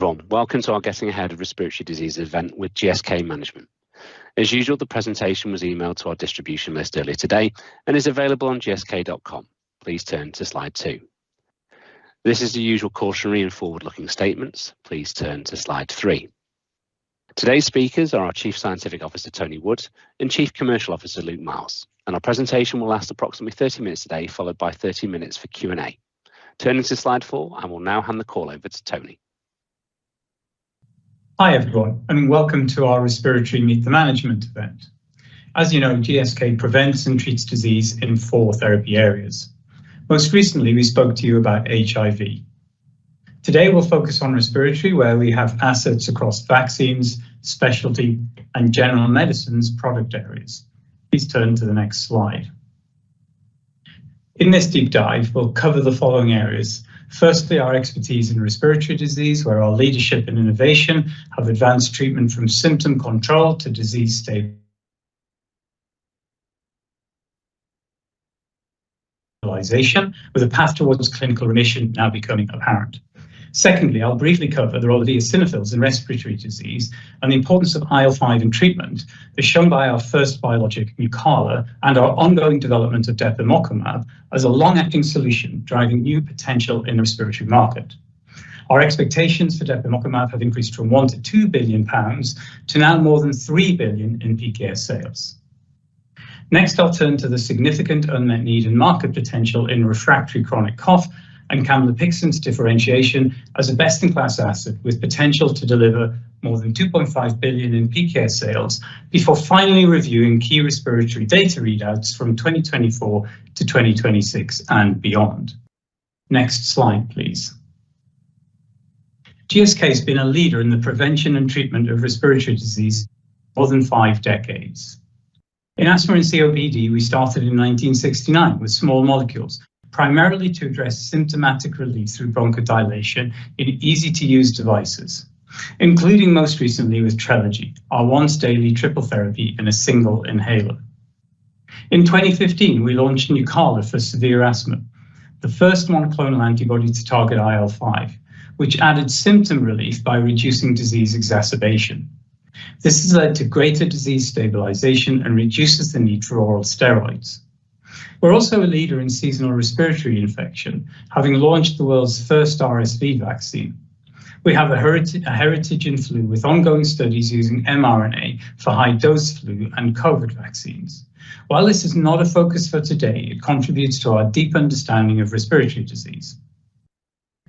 Welcome to our Getting Ahead of Respiratory Disease event with GSK Management. As usual, the presentation was emailed to our distribution list earlier today and is available on gsk.com. Please turn to slide two. This is the usual cautionary and forward-looking statements. Please turn to slide three. Today's speakers are our Chief Scientific Officer, Tony Wood, and Chief Commercial Officer, Luke Miels, and our presentation will last approximately 30 minutes today, followed by 30 minutes for Q&A. Turning to slide four, I will now hand the call over to Tony. Hi, everyone, and welcome to our Respiratory Meet the Management event. As you know, GSK prevents and treats disease in four therapy areas. Most recently, we spoke to you about HIV. Today, we'll focus on respiratory, where we have assets across vaccines, specialty, and general medicines product areas. Please turn to the next slide. In this deep dive, we'll cover the following areas. Firstly, our expertise in respiratory disease, where our leadership and innovation have advanced treatment from symptom control to disease state stabilization, with a path towards clinical remission now becoming apparent. Secondly, I'll briefly cover the role of eosinophils in respiratory disease and the importance of IL-5 in treatment, as shown by our first biologic, NUCALA, and our ongoing development of depemokimab as a long-acting solution, driving new potential in the respiratory market. Our expectations for depemokimab have increased from 1 billion-2 billion pounds, to now more than 3 billion in peak year sales. Next, I'll turn to the significant unmet need and market potential in refractory chronic cough and camlipixant's differentiation as a best-in-class asset, with potential to deliver more than 2.5 billion in peak year sales, before finally reviewing key respiratory data readouts from 2024 to 2026 and beyond. Next slide, please. GSK has been a leader in the prevention and treatment of respiratory disease more than five decades. In asthma and COPD, we started in 1969 with small molecules, primarily to address symptomatic relief through bronchodilation in easy-to-use devices, including most recently with TRELEGY, our once-daily triple therapy in a single inhaler. In 2015, we launched NUCALA for severe asthma, the first monoclonal antibody to target IL-5, which added symptom relief by reducing disease exacerbation. This has led to greater disease stabilization and reduces the need for oral steroids. We're also a leader in seasonal respiratory infection, having launched the world's first RSV vaccine. We have a heritage in flu, with ongoing studies using mRNA for high-dose flu and COVID vaccines. While this is not a focus for today, it contributes to our deep understanding of respiratory disease.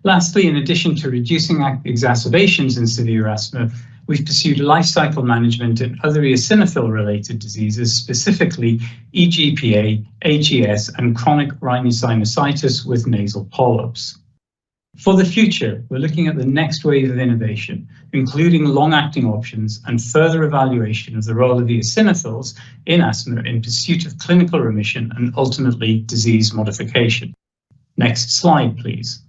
Lastly, in addition to reducing exacerbations in severe asthma, we've pursued lifecycle management in other eosinophil-related diseases, specifically EGPA, AGS, and chronic rhinosinusitis with nasal polyps. For the future, we're looking at the next wave of innovation, including long-acting options and further evaluation of the role of the eosinophils in asthma in pursuit of clinical remission and, ultimately, disease modification. Next slide, please.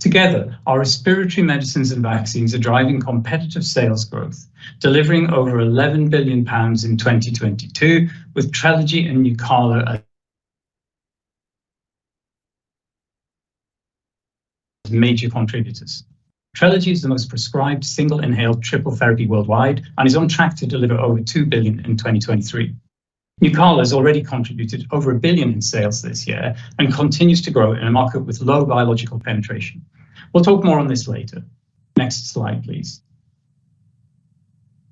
Together, our respiratory medicines and vaccines are driving competitive sales growth, delivering over 11 billion pounds in 2022, with TRELEGY and NUCALA as major contributors. TRELEGY is the most prescribed single inhaled triple therapy worldwide and is on track to deliver over 2 billion in 2023. NUCALA has already contributed over 1 billion in sales this year and continues to grow in a market with low biological penetration. We'll talk more on this later. Next slide, please.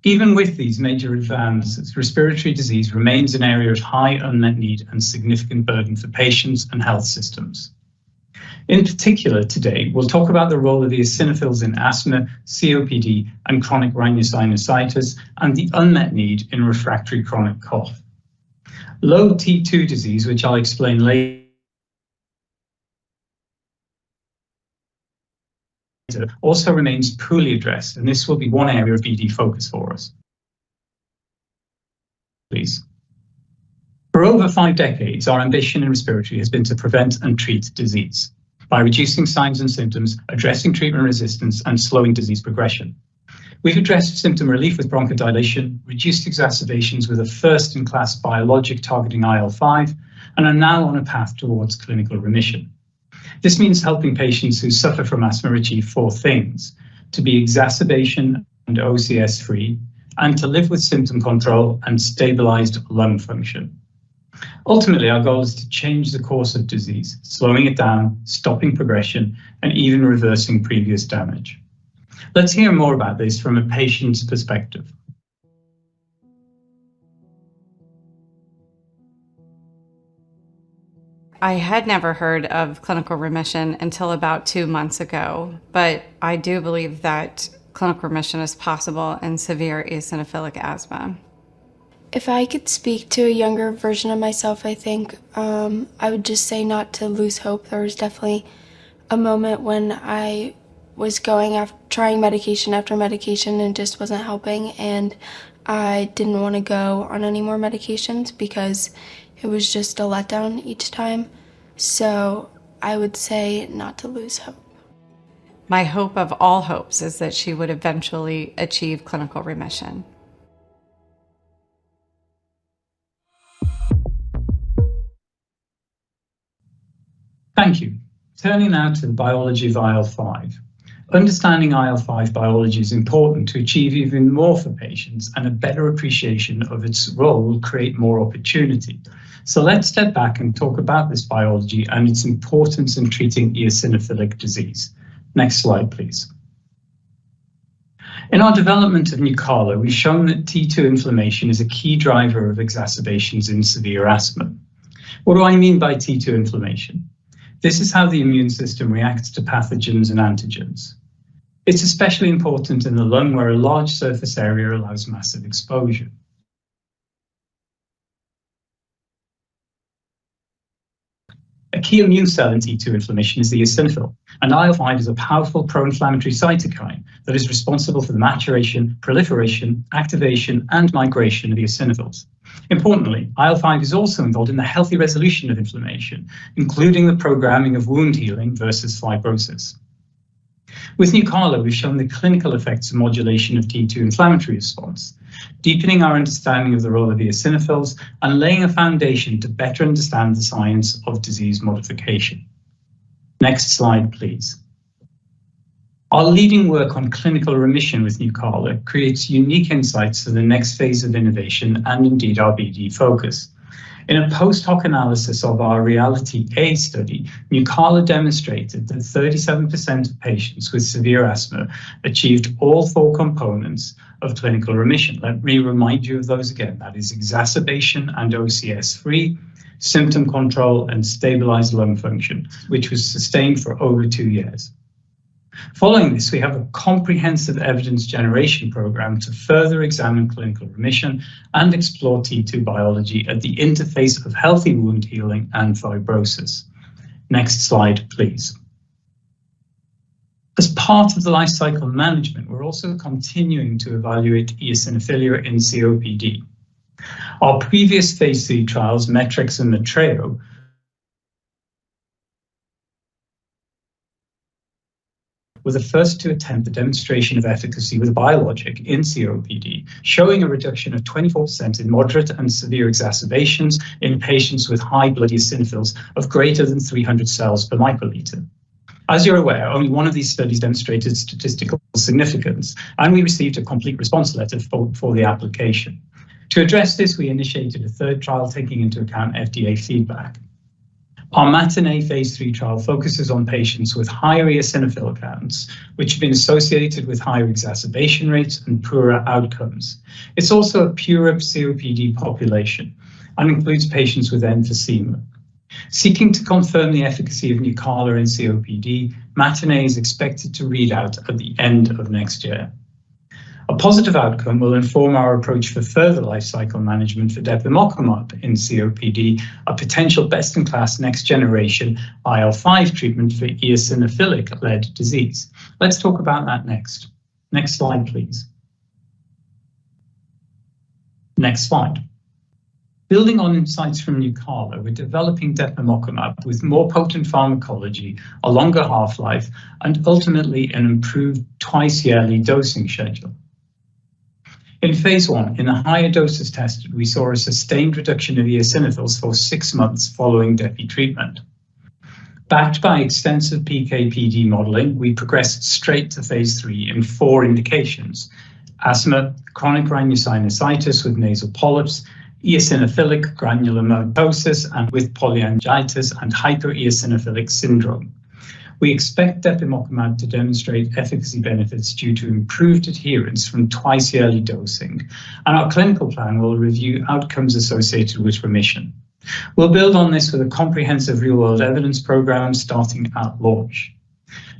Even with these major advances, respiratory disease remains an area of high unmet need and significant burden for patients and health systems. In particular, today, we'll talk about the role of the eosinophils in asthma, COPD, and chronic rhinosinusitis, and the unmet need in refractory chronic cough. Low T2 disease, which I'll explain later, also remains poorly addressed, and this will be one area of BD focus for us. Please. For over five decades, our ambition in respiratory has been to prevent and treat disease by reducing signs and symptoms, addressing treatment resistance, and slowing disease progression. We've addressed symptom relief with bronchodilation, reduced exacerbations with a first-in-class biologic targeting IL-5, and are now on a path towards clinical remission. This means helping patients who suffer from asthma achieve four things: to be exacerbation and OCS-free, and to live with symptom control and stabilized lung function. Ultimately, our goal is to change the course of disease, slowing it down, stopping progression, and even reversing previous damage. Let's hear more about this from a patient's perspective. I had never heard of clinical remission until about two months ago, but I do believe that clinical remission is possible in severe eosinophilic asthma. If I could speak to a younger version of myself, I think, I would just say not to lose hope. There was definitely a moment when I was trying medication after medication, and it just wasn't helping, and I didn't want to go on any more medications because it was just a letdown each time. So I would say not to lose hope. My hope of all hopes is that she would eventually achieve clinical remission. Thank you. Turning now to the biology of IL-5. Understanding IL-5 biology is important to achieve even more for patients, and a better appreciation of its role will create more opportunity. So let's step back and talk about this biology and its importance in treating eosinophilic disease. Next slide, please. In our development of NUCALA, we've shown that T2 inflammation is a key driver of exacerbations in severe asthma. What do I mean by T2 inflammation? This is how the immune system reacts to pathogens and antigens. It's especially important in the lung, where a large surface area allows massive exposure. A key immune cell in T2 inflammation is the eosinophil, and IL-5 is a powerful pro-inflammatory cytokine that is responsible for the maturation, proliferation, activation, and migration of eosinophils. Importantly, IL-5 is also involved in the healthy resolution of inflammation, including the programming of wound healing versus fibrosis. With NUCALA, we've shown the clinical effects of modulation of T2 inflammatory response, deepening our understanding of the role of the eosinophils and laying a foundation to better understand the science of disease modification. Next slide, please. Our leading work on clinical remission with NUCALA creates unique insights for the next phase of innovation and indeed our BD focus. In a post-hoc analysis of our REALITI-A study, NUCALA demonstrated that 37% of patients with severe asthma achieved all four components of clinical remission. Let me remind you of those again. That is exacerbation and OCS-free, symptom control, and stabilized lung function, which was sustained for over two years. Following this, we have a comprehensive evidence generation program to further examine clinical remission and explore T2 biology at the interface of healthy wound healing and fibrosis. Next slide, please. As part of the lifecycle management, we're also continuing to evaluate eosinophilia in COPD. Our previous phase III trials, METREX and METREO, were the first to attempt the demonstration of efficacy with a biologic in COPD, showing a reduction of 24% in moderate and severe exacerbations in patients with high blood eosinophils of greater than 300 cells per microliter. As you're aware, only one of these studies demonstrated statistical significance, and we received a complete response letter for the application. To address this, we initiated a third trial, taking into account FDA feedback. Our MATINEE phase III trial focuses on patients with higher eosinophil counts, which have been associated with higher exacerbation rates and poorer outcomes. It's also a purer COPD population and includes patients with emphysema. Seeking to confirm the efficacy of NUCALA in COPD, MATINEE is expected to read out at the end of next year. A positive outcome will inform our approach for further lifecycle management for depemokimab in COPD, a potential best-in-class, next-generation IL-5 treatment for eosinophilic-led disease. Let's talk about that next. Next slide, please. Next slide. Building on insights from NUCALA, we're developing depemokimab with more potent pharmacology, a longer half-life, and ultimately, an improved twice-yearly dosing schedule. In phase I, in the higher doses tested, we saw a sustained reduction of eosinophils for six months following depi treatment. Backed by extensive PK/PD modeling, we progressed straight to phase III in four indications: asthma, chronic rhinosinusitis with nasal polyps, eosinophilic granulomatosis with polyangiitis, and hypereosinophilic syndrome. We expect depemokimab to demonstrate efficacy benefits due to improved adherence from twice-yearly dosing, and our clinical plan will review outcomes associated with remission. We'll build on this with a comprehensive real-world evidence program starting at launch.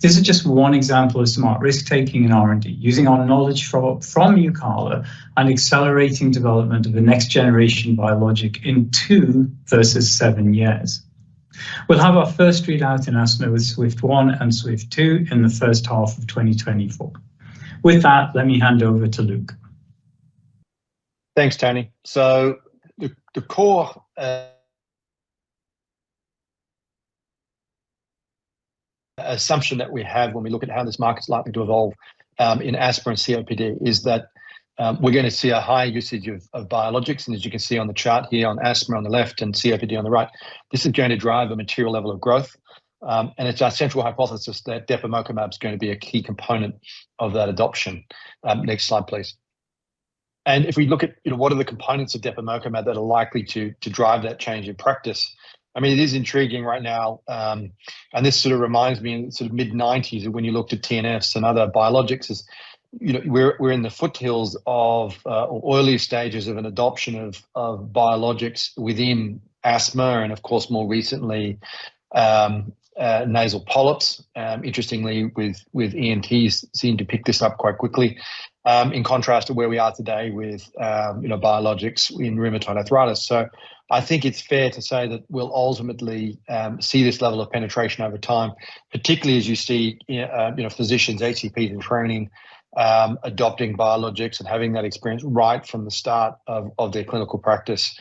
This is just one example of smart risk-taking in R&D, using our knowledge from NUCALA and accelerating development of a next-generation biologic in two versus seven years. We'll have our first readout in asthma with SWIFT-1 and SWIFT-2 in the first half of 2024. With that, let me hand over to Luke. Thanks, Tony. So the core assumption that we have when we look at how this market's likely to evolve in asthma and COPD is that we're gonna see a higher usage of biologics. And as you can see on the chart here on asthma on the left and COPD on the right, this is going to drive a material level of growth. And it's our central hypothesis that depemokimab is going to be a key component of that adoption. Next slide, please. And if we look at, you know, what are the components of depemokimab that are likely to drive that change in practice, I mean, it is intriguing right now. This sort of reminds me in sort of mid-1990s when you looked at TNFs and other biologics, as you know, we're in the foothills of or early stages of an adoption of biologics within asthma and of course, more recently, nasal polyps. Interestingly, with ENTs seem to pick this up quite quickly, in contrast to where we are today with, you know, biologics in rheumatoid arthritis. So I think it's fair to say that we'll ultimately see this level of penetration over time, particularly as you see, you know, physicians, HCPs in training, adopting biologics and having that experience right from the start of their clinical practice,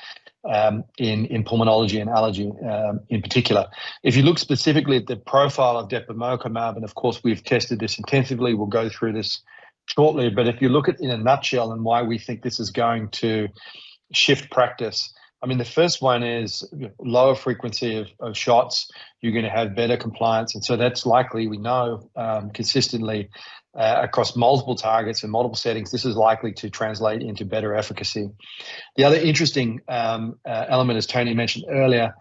in pulmonology and allergy, in particular. If you look specifically at the profile of depemokimab, and of course, we've tested this intensively, we'll go through this shortly. But if you look at in a nutshell and why we think this is going to shift practice, I mean, the first one is, you know, lower frequency of, of shots. You're gonna have better compliance, and so that's likely, we know, consistently, across multiple targets and multiple settings, this is likely to translate into better efficacy. The other interesting, element, as Tony mentioned earlier,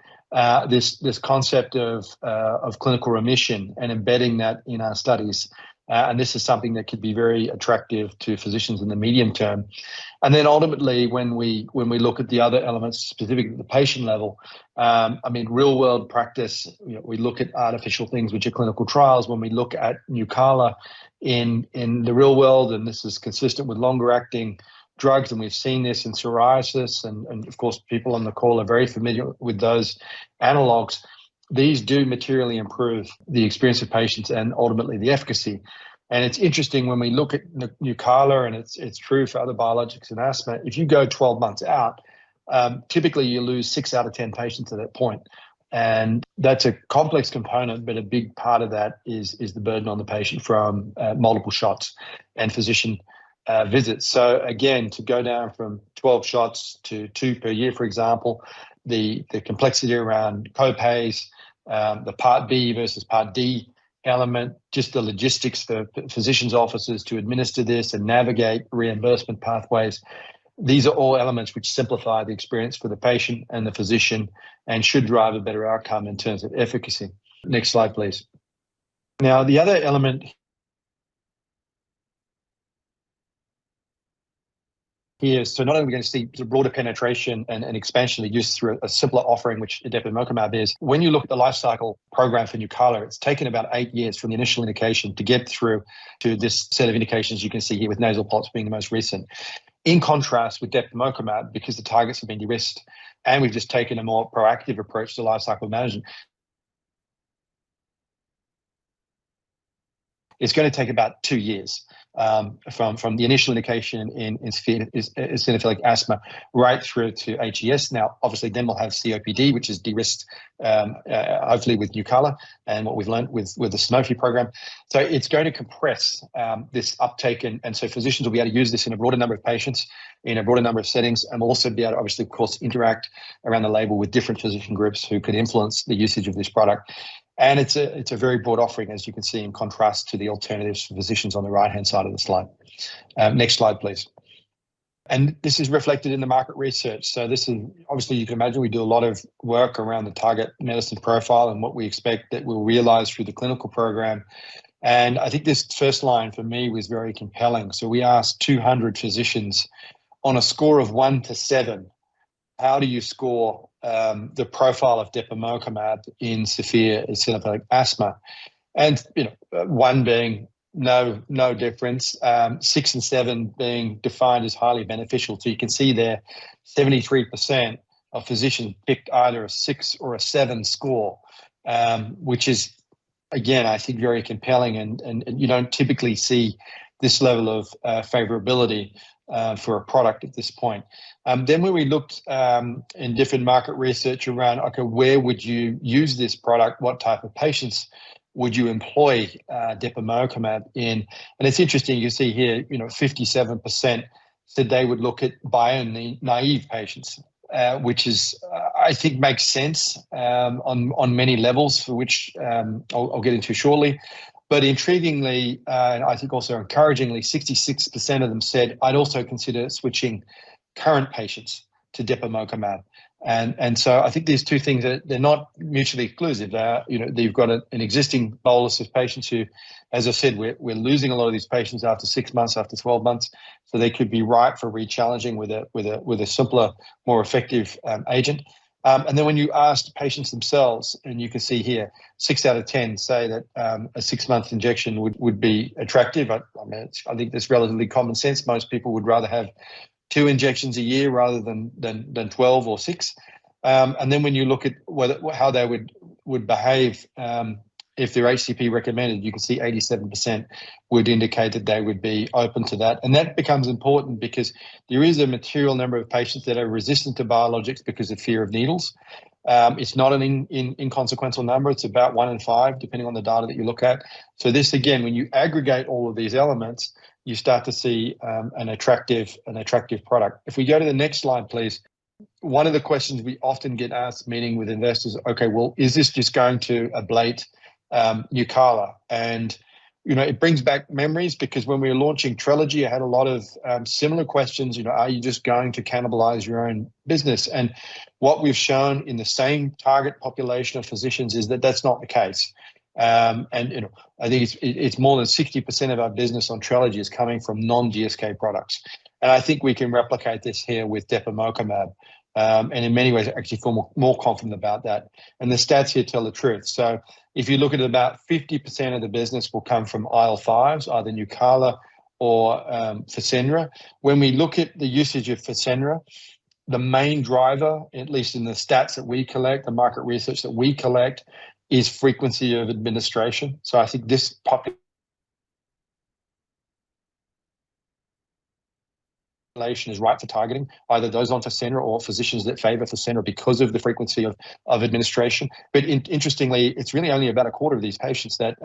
this concept of, of clinical remission and embedding that in our studies, and this is something that could be very attractive to physicians in the medium term. And then ultimately, when we look at the other elements specific at the patient level, I mean, real-world practice, you know, we look at artificial things, which are clinical trials. When we look at NUCALA in the real world, and this is consistent with longer-acting drugs, and we've seen this in psoriasis, and of course, people on the call are very familiar with those analogs. These do materially improve the experience of patients and ultimately the efficacy. And it's interesting when we look at NUCALA, and it's true for other biologics in asthma, if you go 12 months out, typically you lose six out of 10 patients at that point. And that's a complex component, but a big part of that is the burden on the patient from multiple shots and physician visits. So again, to go down from 12 shots to two per year, for example, the complexity around co-pays, the Part B versus Part D element, just the logistics for physicians offices to administer this and navigate reimbursement pathways, these are all elements which simplify the experience for the patient and the physician and should drive a better outcome in terms of efficacy. Next slide, please. Now, the other element here, so not only are we gonna see the broader penetration and expansion of the use through a simpler offering, which depemokimab is. When you look at the life cycle program for NUCALA, it's taken about eight years from the initial indication to get through to this set of indications you can see here, with nasal polyps being the most recent. In contrast with depemokimab, because the targets have been de-risked, and we've just taken a more proactive approach to life cycle management, it's gonna take about two years, from the initial indication in eosinophilic asthma, right through to HES. Now, obviously, then we'll have COPD, which is de-risked, hopefully with NUCALA and what we've learned with the Sanofi program. So it's going to compress this uptake, and so physicians will be able to use this in a broader number of patients, in a broader number of settings, and will also be able to, obviously, of course, interact around the label with different physician groups who could influence the usage of this product. And it's a very broad offering, as you can see, in contrast to the alternatives for physicians on the right-hand side of the slide. Next slide, please. This is reflected in the market research. This is obviously, you can imagine we do a lot of work around the target medicine profile and what we expect that we'll realize through the clinical program. I think this first line for me was very compelling. We asked 200 physicians, "On a score of one to seven, how do you score the profile of depemokimab in severe eosinophilic asthma?" You know, one being no difference, six and seven being defined as highly beneficial. You can see there, 73% of physicians picked either a six or a seven score, which is, again, I think, very compelling, and you don't typically see this level of favorability for a product at this point. Then when we looked in different market research around, okay, where would you use this product? What type of patients would you employ depemokimab in? And it's interesting, you see here, you know, 57% said they would look at biologic-naive patients, which is, I think makes sense on many levels, for which I'll get into shortly. But intriguingly, and I think also encouragingly, 66% of them said: "I'd also consider switching current patients to depemokimab." And so I think they're not mutually exclusive. You know, you've got an existing bolus of patients who, as I said, we're losing a lot of these patients after six months, after 12 months, so they could be ripe for rechallenging with a simpler, more effective agent. And then when you asked patients themselves, and you can see here, six out of 10 say that a six-month injection would be attractive. I mean, it's. I think that's relatively common sense. Most people would rather have two injections a year rather than 12 or six. And then when you look at whether how they would behave if their HCP recommended, you can see 87% would indicate that they would be open to that. And that becomes important because there is a material number of patients that are resistant to biologics because of fear of needles. It's not an inconsequential number. It's about one in five, depending on the data that you look at. So this, again, when you aggregate all of these elements, you start to see an attractive product. If we go to the next slide, please. One of the questions we often get asked, meaning with investors: "Okay, well, is this just going to ablate NUCALA?" And, you know, it brings back memories because when we were launching TRELEGY, I had a lot of similar questions. You know, "Are you just going to cannibalize your own business?" And what we've shown in the same target population of physicians is that that's not the case. And, you know, I think it's, it's more than 60% of our business on TRELEGY is coming from non-GSK products. And I think we can replicate this here with depemokimab, and in many ways, actually feel more, more confident about that. And the stats here tell the truth. So if you look at about 50% of the business will come from IL-5s, either NUCALA or FASENRA. When we look at the usage of FASENRA, the main driver, at least in the stats that we collect, the market research that we collect, is frequency of administration. So I think this is right for targeting, either those on FASENRA or physicians that favor FASENRA because of the frequency of administration. But interestingly, it's really only about a quarter of these patients that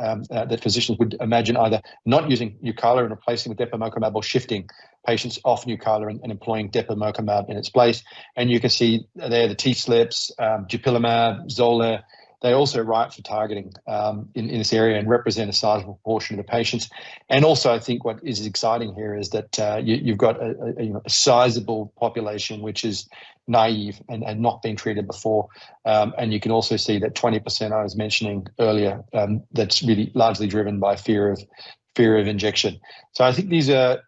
physicians would imagine either not using NUCALA and replacing with depemokimab or shifting patients off NUCALA and employing depemokimab in its place. And you can see there, the TSLPs, dupilumab, XOLAIR, they're also right for targeting in this area and represent a sizable portion of the patients. And also, I think what is exciting here is that, you've got a, you know, a sizable population, which is naive and not been treated before. And you can also see that 20% I was mentioning earlier, that's really largely driven by fear of injection. So I think these are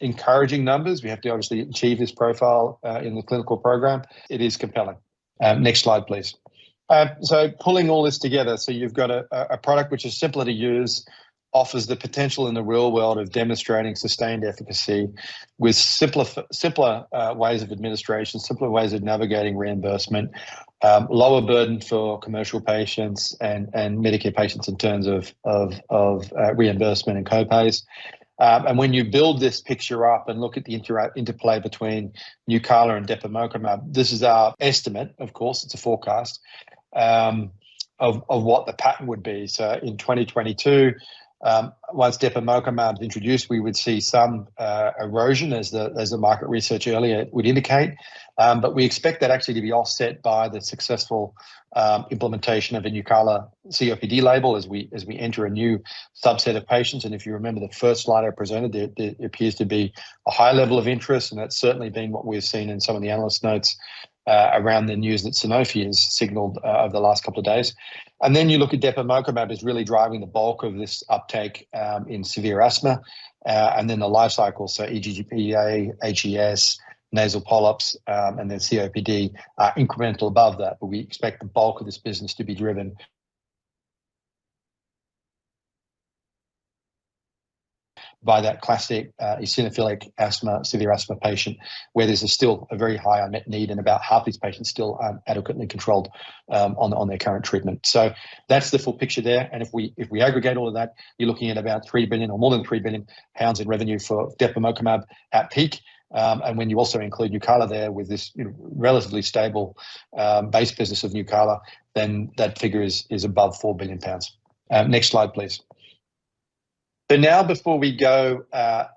encouraging numbers. We have to obviously achieve this profile in the clinical program. It is compelling. Next slide, please. So pulling all this together, so you've got a product which is simpler to use, offers the potential in the real world of demonstrating sustained efficacy with simpler ways of administration, simpler ways of navigating reimbursement, lower burden for commercial patients and Medicare patients in terms of reimbursement and co-pays. And when you build this picture up and look at the interplay between NUCALA and depemokimab, this is our estimate, of course, it's a forecast, of what the pattern would be. So in 2022, once depemokimab is introduced, we would see some erosion as the market research earlier would indicate. But we expect that actually to be offset by the successful implementation of a NUCALA COPD label as we enter a new subset of patients. And if you remember the first slide I presented, there appears to be a high level of interest, and that's certainly been what we've seen in some of the analyst notes around the news that Sanofi has signaled over the last couple of days. And then you look at depemokimab as really driving the bulk of this uptake in severe asthma, and then the life cycle, so EGPA, HES, nasal polyps, and then COPD are incremental above that. But we expect the bulk of this business to be driven by that classic eosinophilic asthma, severe asthma patient, where there's still a very high unmet need and about half these patients still aren't adequately controlled on their current treatment. So that's the full picture there. And if we aggregate all of that, you're looking at about 3 billion or more than 3 billion pounds in revenue for depemokimab at peak. And when you also include NUCALA there with this, you know, relatively stable base business of NUCALA, then that figure is above 4 billion pounds. Next slide, please. But now, before we go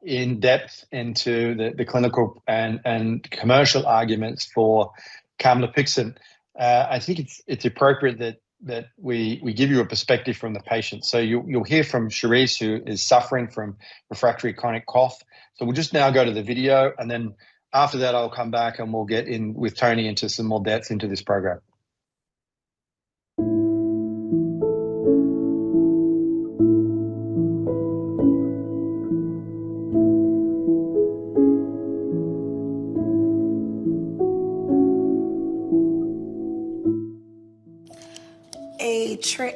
in depth into the clinical and commercial arguments for camlipixant, I think it's appropriate that we give you a perspective from the patient. So you'll hear from Cherise, who is suffering from refractory chronic cough. So we'll just now go to the video, and then after that, I'll come back, and we'll get in with Tony into some more depth into this program.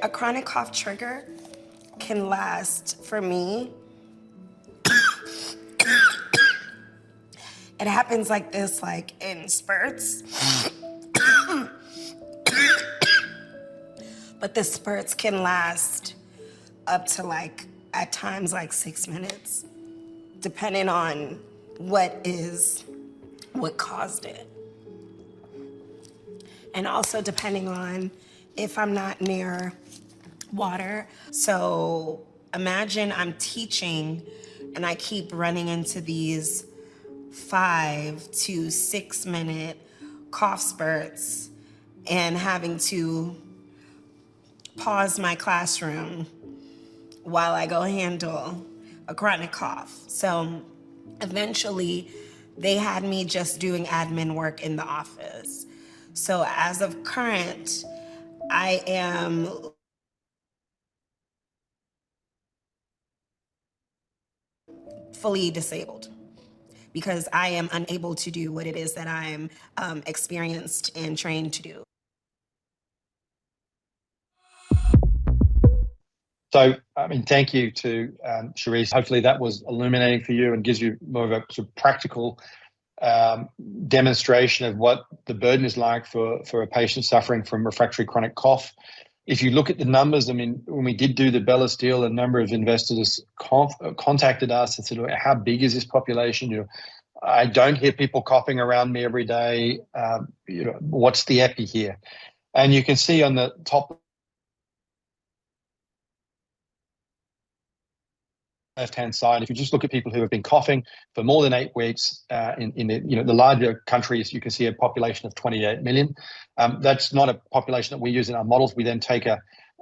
A chronic cough trigger can last for me. It happens like this, like in spurts, but the spurts can last up to like, at times, like six minutes, depending on what caused it, and also depending on if I'm not near water. So imagine I'm teaching, and I keep running into these fiv to six-minute cough spurts and having to pause my classroom while I go handle a chronic cough. So eventually, they had me just doing admin work in the office. So as of current, I am fully disabled because I am unable to do what it is that I am experienced and trained to do. So, I mean, thank you to Cherise. Hopefully, that was illuminating for you and gives you more of a practical demonstration of what the burden is like for a patient suffering from refractory chronic cough. If you look at the numbers, I mean, when we did do the BELLUS deal, a number of investors contacted us and said, "Well, how big is this population? You know, I don't hear people coughing around me every day. You know, what's the epi here?" And you can see on the top left-hand side, if you just look at people who have been coughing for more than eight weeks in the larger countries, you can see a population of 28 million. That's not a population that we use in our models. We then take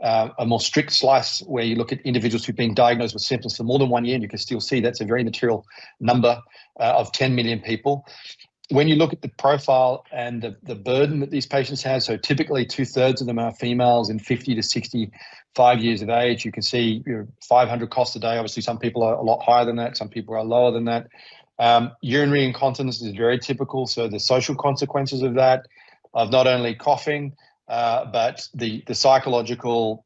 a more strict slice, where you look at individuals who've been diagnosed with symptoms for more than one year, and you can still see that's a very material number of 10 million people. When you look at the profile and the burden that these patients have, so typically two-thirds of them are females and 50-65 years of age, you can see, you know, 500 coughs a day. Obviously, some people are a lot higher than that, some people are lower than that. Urinary incontinence is very typical, so the social consequences of that, of not only coughing, but the psychological,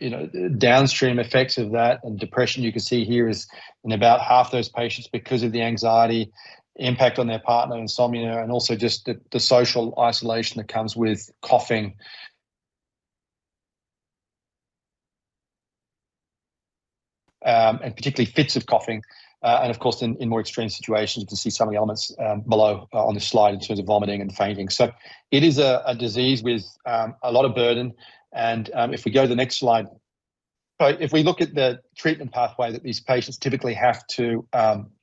you know, downstream effects of that and depression, you can see here, is in about half those patients because of the anxiety, impact on their partner, insomnia, and also just the social isolation that comes with coughing and particularly fits of coughing. And of course, in more extreme situations, you can see some of the elements below on the slide in terms of vomiting and fainting. So it is a disease with a lot of burden. If we go to the next slide. So if we look at the treatment pathway that these patients typically have to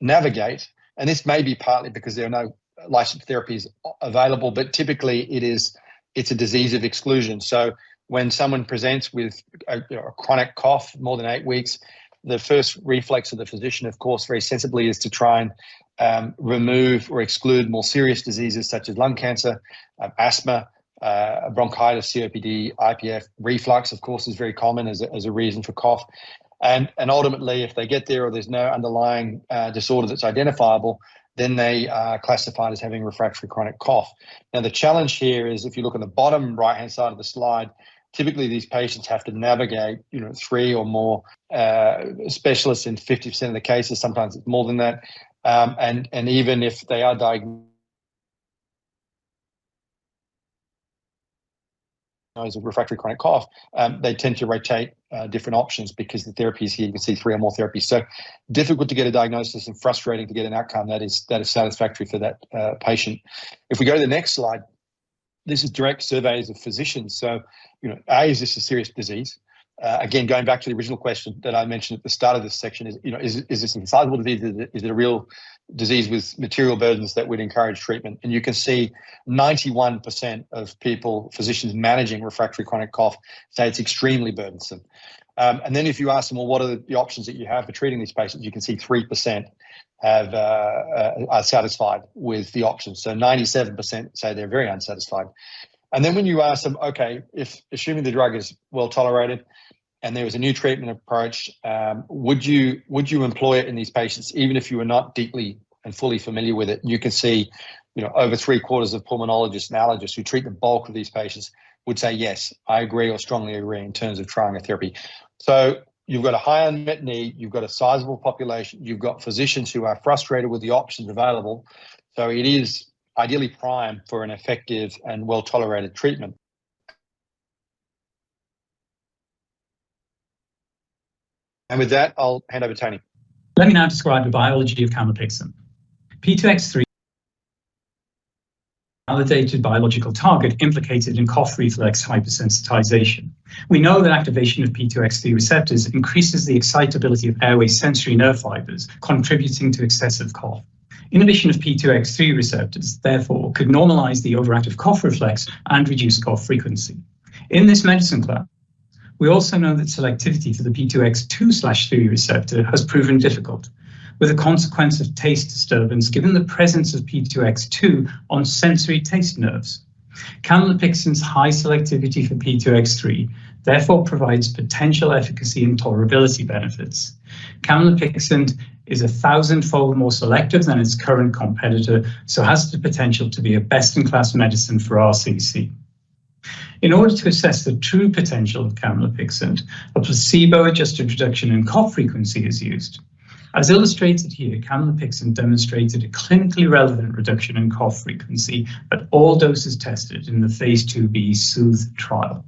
navigate, and this may be partly because there are no licensed therapies available, but typically it is, it's a disease of exclusion. So when someone presents with a chronic cough more than eight weeks, the first reflex of the physician, of course, very sensibly, is to try and remove or exclude more serious diseases such as lung cancer, asthma, bronchitis, COPD, IPF. Reflux, of course, is very common as a reason for cough. And ultimately, if they get there or there's no underlying disorder that's identifiable, then they are classified as having refractory chronic cough. Now, the challenge here is, if you look on the bottom right-hand side of the slide, typically, these patients have to navigate, you know, three or more specialists in 50% of the cases, sometimes it's more than that. And even if they are diagnosed as a refractory chronic cough, they tend to rotate different options because the therapies here, you can see three or more therapies. So difficult to get a diagnosis and frustrating to get an outcome that is, that is satisfactory for that patient. If we go to the next slide, this is direct surveys of physicians. So, you know, A, is this a serious disease? Again, going back to the original question that I mentioned at the start of this section is, you know, is, is this a sizable disease? Is it a real disease with material burdens that would encourage treatment? And you can see 91% of people, physicians managing refractory chronic cough, say it's extremely burdensome. And then if you ask them, "Well, what are the options that you have for treating these patients?" You can see 3% are satisfied with the options, so 97% say they're very unsatisfied. And then when you ask them, "Okay, if assuming the drug is well-tolerated and there was a new treatment approach, would you employ it in these patients even if you were not deeply and fully familiar with it?" You can see, you know, over 3/4 of pulmonologists and allergists who treat the bulk of these patients would say, "Yes, I agree or strongly agree in terms of trying a therapy." So you've got a high unmet need, you've got a sizable population, you've got physicians who are frustrated with the options available, so it is ideally prime for an effective and well-tolerated treatment. And with that, I'll hand over to Tony. Let me now describe the biology of camlipixant. P2X3 validated biological target implicated in cough reflex hypersensitization. We know that activation of P2X3 receptors increases the excitability of airway sensory nerve fibers, contributing to excessive cough. Inhibition of P2X3 receptors, therefore, could normalize the overactive cough reflex and reduce cough frequency. In this medicine class, we also know that selectivity for the P2X2/3 receptor has proven difficult, with a consequence of taste disturbance, given the presence of P2X2 on sensory taste nerves. Camlipixant's high selectivity for P2X3 therefore provides potential efficacy and tolerability benefits. Camlipixant is 1,000-fold more selective than its current competitor, so has the potential to be a best-in-class medicine for RCC. In order to assess the true potential of camlipixant, a placebo-adjusted reduction in cough frequency is used. As illustrated here, camlipixant demonstrated a clinically relevant reduction in cough frequency at all doses tested in the phase II-B SOOTHE trial.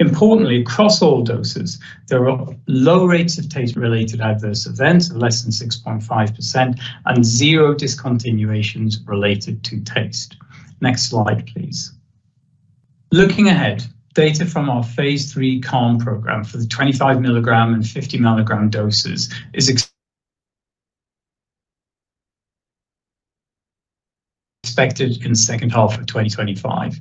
Importantly, across all doses, there are low rates of taste-related adverse events, less than 6.5%, and zero discontinuations related to taste. Next slide, please. Looking ahead, data from our phase III CALM program for the 25 mg and 50 mg doses is expected in the second half of 2025.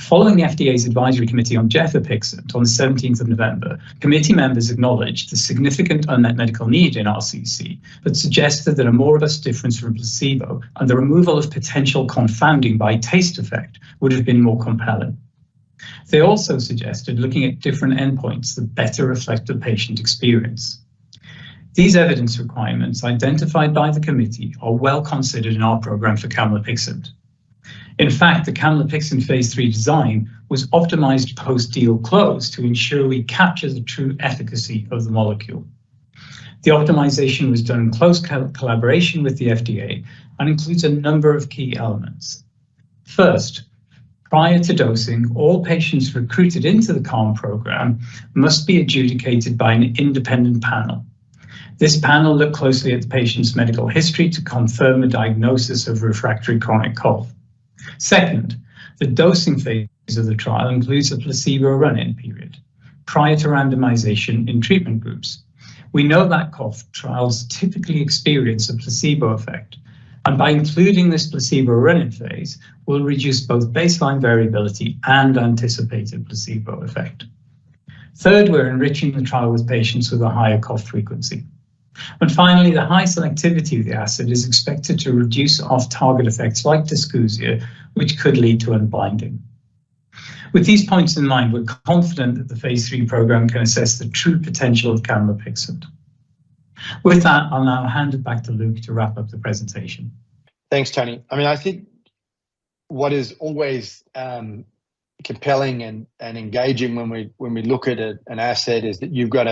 Following the FDA's Advisory Committee on gefapixant on the 17th of November, committee members acknowledged the significant unmet medical need in RCC, but suggested that a more robust difference from placebo and the removal of potential confounding by taste effect would have been more compelling. They also suggested looking at different endpoints that better reflect the patient experience. These evidence requirements identified by the committee are well considered in our program for camlipixant. In fact, the camlipixant phase III design was optimized post-deal close to ensure we capture the true efficacy of the molecule. The optimization was done in close collaboration with the FDA and includes a number of key elements. First, prior to dosing, all patients recruited into the CALM program must be adjudicated by an independent panel. This panel looked closely at the patient's medical history to confirm a diagnosis of refractory chronic cough. Second, the dosing phases of the trial includes a placebo run-in period prior to randomization in treatment groups. We know that cough trials typically experience a placebo effect, and by including this placebo run-in phase, we'll reduce both baseline variability and anticipated placebo effect. Third, we're enriching the trial with patients with a higher cough frequency. And finally, the high selectivity of the acid is expected to reduce off-target effects like dysgeusia, which could lead to unblinding. With these points in mind, we're confident that the phase III program can assess the true potential of camlipixant. With that, I'll now hand it back to Luke to wrap up the presentation. Thanks, Tony. I mean, I think what is always compelling and engaging when we look at an asset is that you've got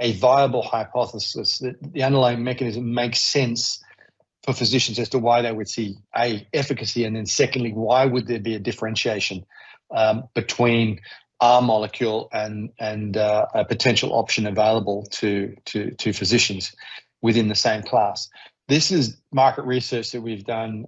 a viable hypothesis, that the underlying mechanism makes sense for physicians as to why they would see efficacy, and then secondly, why would there be a differentiation between our molecule and a potential option available to physicians within the same class? This is market research that we've done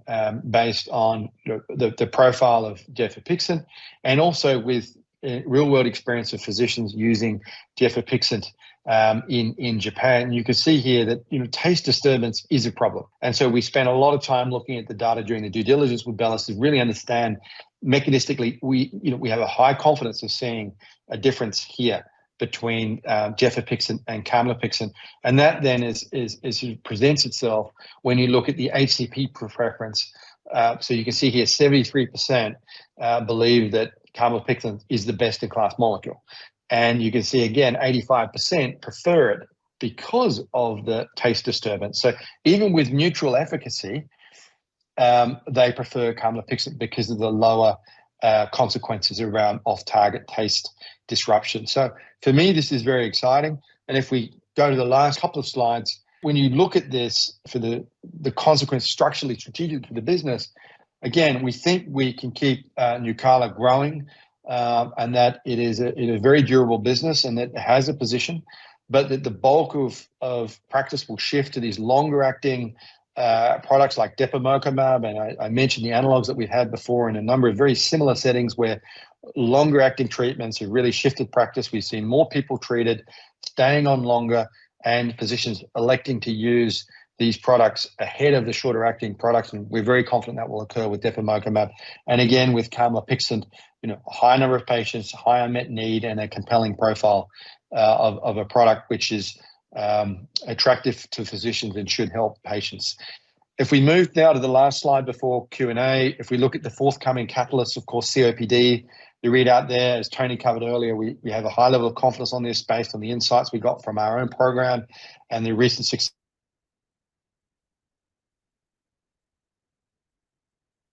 based on the profile of gefapixant and also with real-world experience of physicians using gefapixant in Japan. You can see here that, you know, taste disturbance is a problem. And so we spent a lot of time looking at the data during the due diligence with BELLUS to really understand mechanistically, we, you know, we have a high confidence of seeing a difference here between gefapixant and camlipixant. And that then presents itself when you look at the HCP preference. So you can see here 73% believe that camlipixant is the best-in-class molecule. And you can see, again, 85% prefer it because of the taste disturbance. So even with neutral efficacy, they prefer camlipixant because of the lower consequences around off-target taste disruption. So for me, this is very exciting, and if we go to the last couple of slides, when you look at this for the consequence, structurally strategic for the business, again, we think we can keep NUCALA growing, and that it is a very durable business and it has a position. But the, the bulk of, of practice will shift to these longer-acting, products like depemokimab. And I, I mentioned the analogs that we had before in a number of very similar settings, where longer-acting treatments have really shifted practice. We've seen more people treated, staying on longer, and physicians electing to use these products ahead of the shorter-acting products, and we're very confident that will occur with depemokimab. And again, with camlipixant, you know, a high number of patients, a higher met need, and a compelling profile, of a product which is attractive to physicians and should help patients. If we move now to the last slide before Q&A, if we look at the forthcoming catalysts, of course, COPD, the readout there, as Tony covered earlier, we have a high level of confidence on this based on the insights we got from our own program and the recent success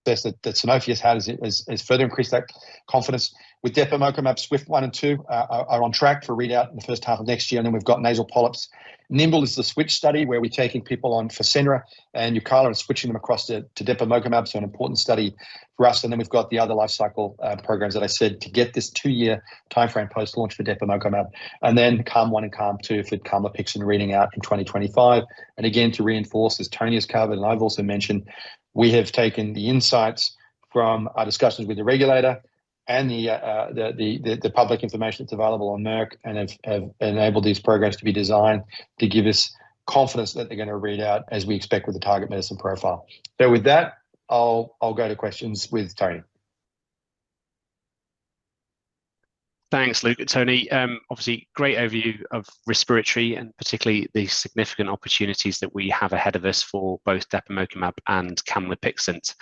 that Sanofi has had is further increased that confidence. With depemokimab, SWIFT-1 and SWIFT-2 are on track for readout in the first half of next year, and then we've got nasal polyps. NIMBLE is the switch study, where we're taking people on FASENRA and NUCALA and switching them across to dupilumab, so an important study for us. And then we've got the other life cycle programs that I said to get this two-year timeframe post-launch for depemokimab. And then CALM-1 and CALM-2 for camlipixant reading out in 2025. And again, to reinforce, as Tony has covered, and I've also mentioned, we have taken the insights from our discussions with the regulator and the public information that's available on Merck and have enabled these programs to be designed to give us confidence that they're gonna read out as we expect with the target medicine profile. So with that, I'll go to questions with Tony. Thanks, Luke. Tony, obviously, great overview of respiratory and particularly the significant opportunities that we have ahead of us for both dupilumab and camlipixant.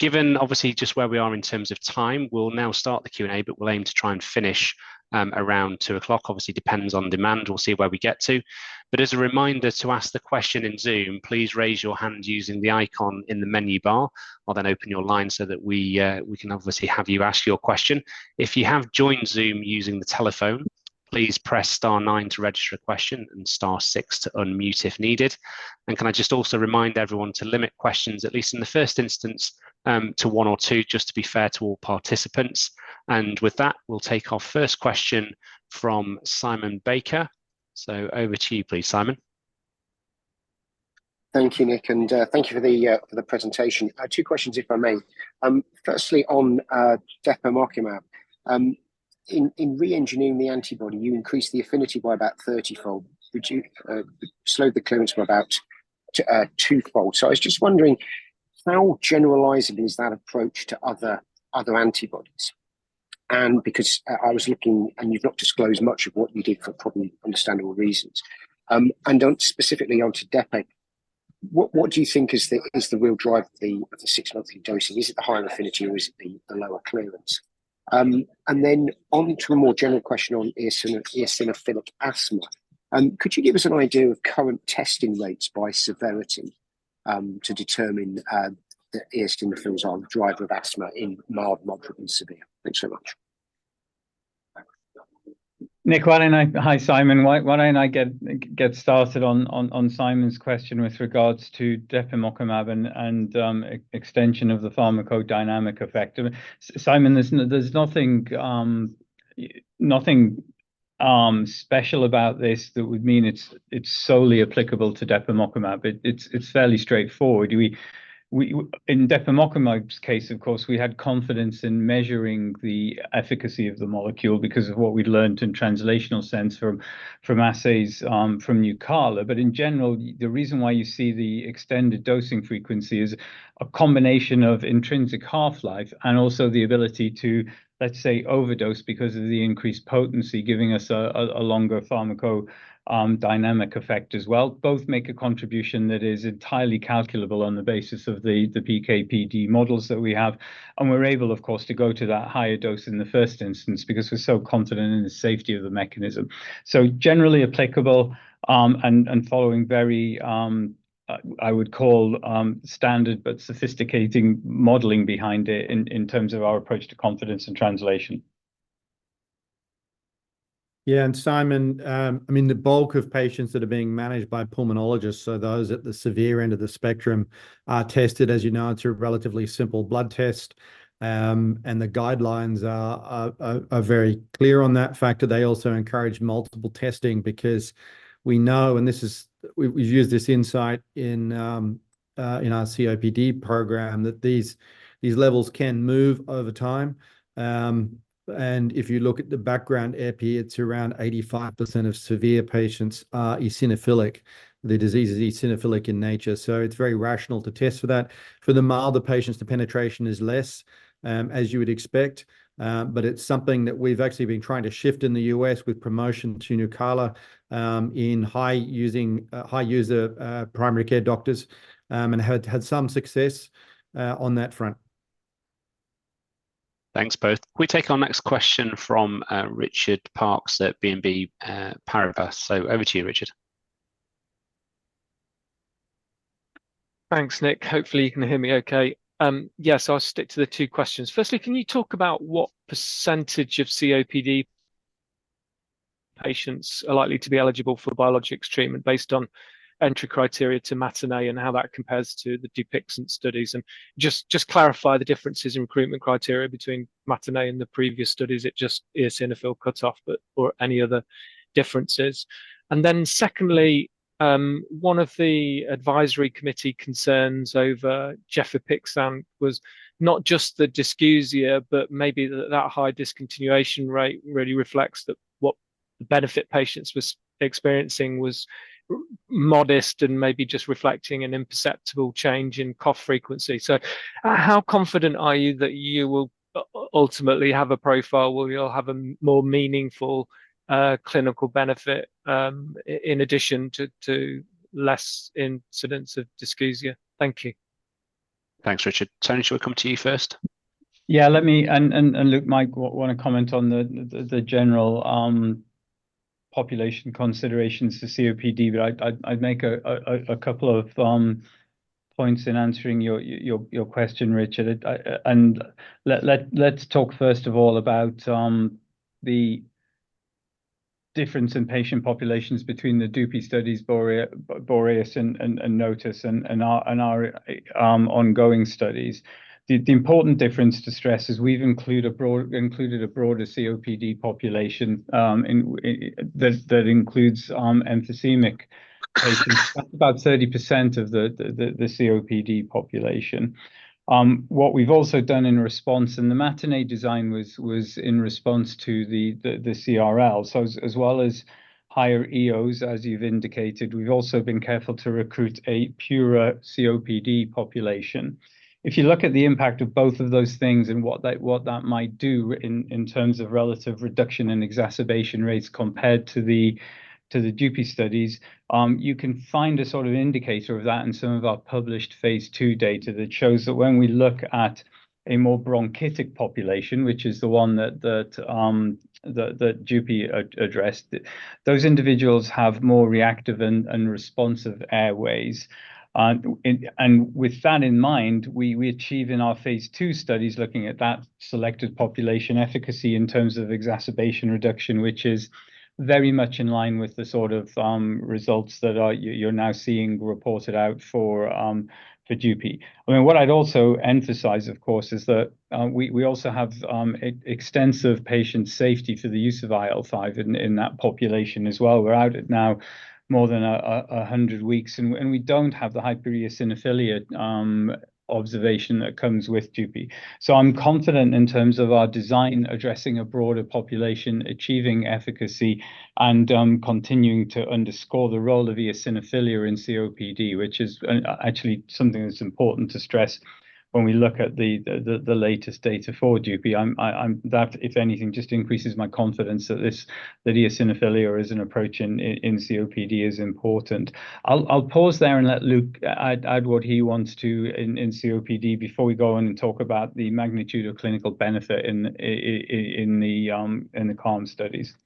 Given obviously just where we are in terms of time, we'll now start the Q&A, but we'll aim to try and finish around two o'clock. Obviously, depends on demand. We'll see where we get to. But as a reminder to ask the question in Zoom, please raise your hand using the icon in the menu bar. I'll then open your line so that we can obviously have you ask your question. If you have joined Zoom using the telephone, please press star nine to register a question and star six to unmute if needed. Can I just also remind everyone to limit questions, at least in the first instance, to one or two, just to be fair to all participants. With that, we'll take our first question from Simon Baker. Over to you, please, Simon. Thank you, Nick, and thank you for the presentation. Two questions, if I may. Firstly, on depemokimab, in reengineering the antibody, you increased the affinity by about 30-fold, which you slowed the clearance from about to two-fold. So I was just wondering, how generalizable is that approach to other antibodies? And because I was looking, and you've not disclosed much of what you did for probably understandable reasons. And specifically onto depemokimab, what do you think is the key driver of the six-monthly dosing? Is it the higher affinity or is it the lower clearance? And then on to a more general question on eosinophilic asthma. Could you give us an idea of current testing rates by severity to determine the eosinophils are driver of asthma in mild, moderate, and severe? Thanks so much. Nick, why don't I get started on Simon's question with regards to depemokimab and extension of the pharmacodynamic effect? Simon, there's nothing special about this that would mean it's solely applicable to depemokimab. It's fairly straightforward. We, in depemokimab‘s case, of course, we had confidence in measuring the efficacy of the molecule because of what we'd learned in translational sense from assays from NUCALA. But in general, the reason why you see the extended dosing frequency is a combination of intrinsic half-life and also the ability to, let's say, overdose because of the increased potency, giving us a longer pharmacodynamic effect as well. Both make a contribution that is entirely calculable on the basis of the PK/PD models that we have, and we're able, of course, to go to that higher dose in the first instance, because we're so confident in the safety of the mechanism. So generally applicable, and following very, I would call, standard but sophisticated modeling behind it in terms of our approach to confidence and translation. Yeah, and Simon, I mean, the bulk of patients that are being managed by pulmonologists, so those at the severe end of the spectrum, are tested. As you know, it's a relatively simple blood test, and the guidelines are very clear on that factor. They also encourage multiple testing because we know, we've used this insight in our COPD program, that these levels can move over time. And if you look at the background epi, it's around 85% of severe patients are eosinophilic. The disease is eosinophilic in nature, so it's very rational to test for that. For the milder patients, the penetration is less, as you would expect, but it's something that we've actually been trying to shift in the U.S. with promotion to NUCALA, in high-user primary care doctors, and had some success, on that front. Thanks, both. We take our next question from Richard Parkes at BNP Paribas. So over to you, Richard. Thanks, Nick. Hopefully, you can hear me okay. Yes, I'll stick to the two questions. Firstly, can you talk about what percentage of COPD patients are likely to be eligible for biologics treatment based on entry criteria to MATINEE and how that compares to the DUPIXENT studies? And just clarify the differences in recruitment criteria between MATINEE and the previous studies. Is it just eosinophil cutoff, or any other differences? And then secondly, one of the advisory committee concerns over gefapixant was not just the dysgeusia, but maybe that high discontinuation rate really reflects what the benefit patients was experiencing was modest and maybe just reflecting an imperceptible change in cough frequency. So, how confident are you that you will ultimately have a profile where you'll have a more meaningful clinical benefit in addition to less incidents of dysgeusia? Thank you. Thanks, Richard. Tony, shall we come to you first? Yeah, let me and look, Mike, want to comment on the general population considerations to COPD, but I'd make a couple of points in answering your question, Richard. And let's talk first of all about the difference in patient populations between the DUPIXENT studies, BOREAS, and NOTUS and our ongoing studies. The important difference to stress is we've included a broader COPD population, and that includes emphysemic patients. About 30% of the COPD population. What we've also done in response, and the MATINEE design was in response to the CRL. So as well as higher EOs, as you've indicated, we've also been careful to recruit a purer COPD population. If you look at the impact of both of those things and what that might do in terms of relative reduction in exacerbation rates compared to the DUPIXENT studies, you can find a sort of indicator of that in some of our published phase II data that shows that when we look at a more bronchitic population, which is the one that DUPIXENT addressed, those individuals have more reactive and responsive airways. And with that in mind, we achieve in our phase II studies, looking at that selected population efficacy in terms of exacerbation reduction, which is very much in line with the sort of results that you're now seeing reported out for DUPIXENT. I mean, what I'd also emphasize, of course, is that we also have extensive patient safety for the use of IL-5 in that population as well. We're now out at more than 100 weeks, and we don't have the high eosinophilia observation that comes with DUPI. So I'm confident in terms of our design, addressing a broader population, achieving efficacy, and continuing to underscore the role of eosinophilia in COPD, which is actually something that's important to stress when we look at the latest data for DUPIXENT. That, if anything, just increases my confidence that eosinophilia as an approach in COPD is important. I'll pause there and let Luke add what he wants to in COPD before we go on and talk about the magnitude of clinical benefit in the CALM studies.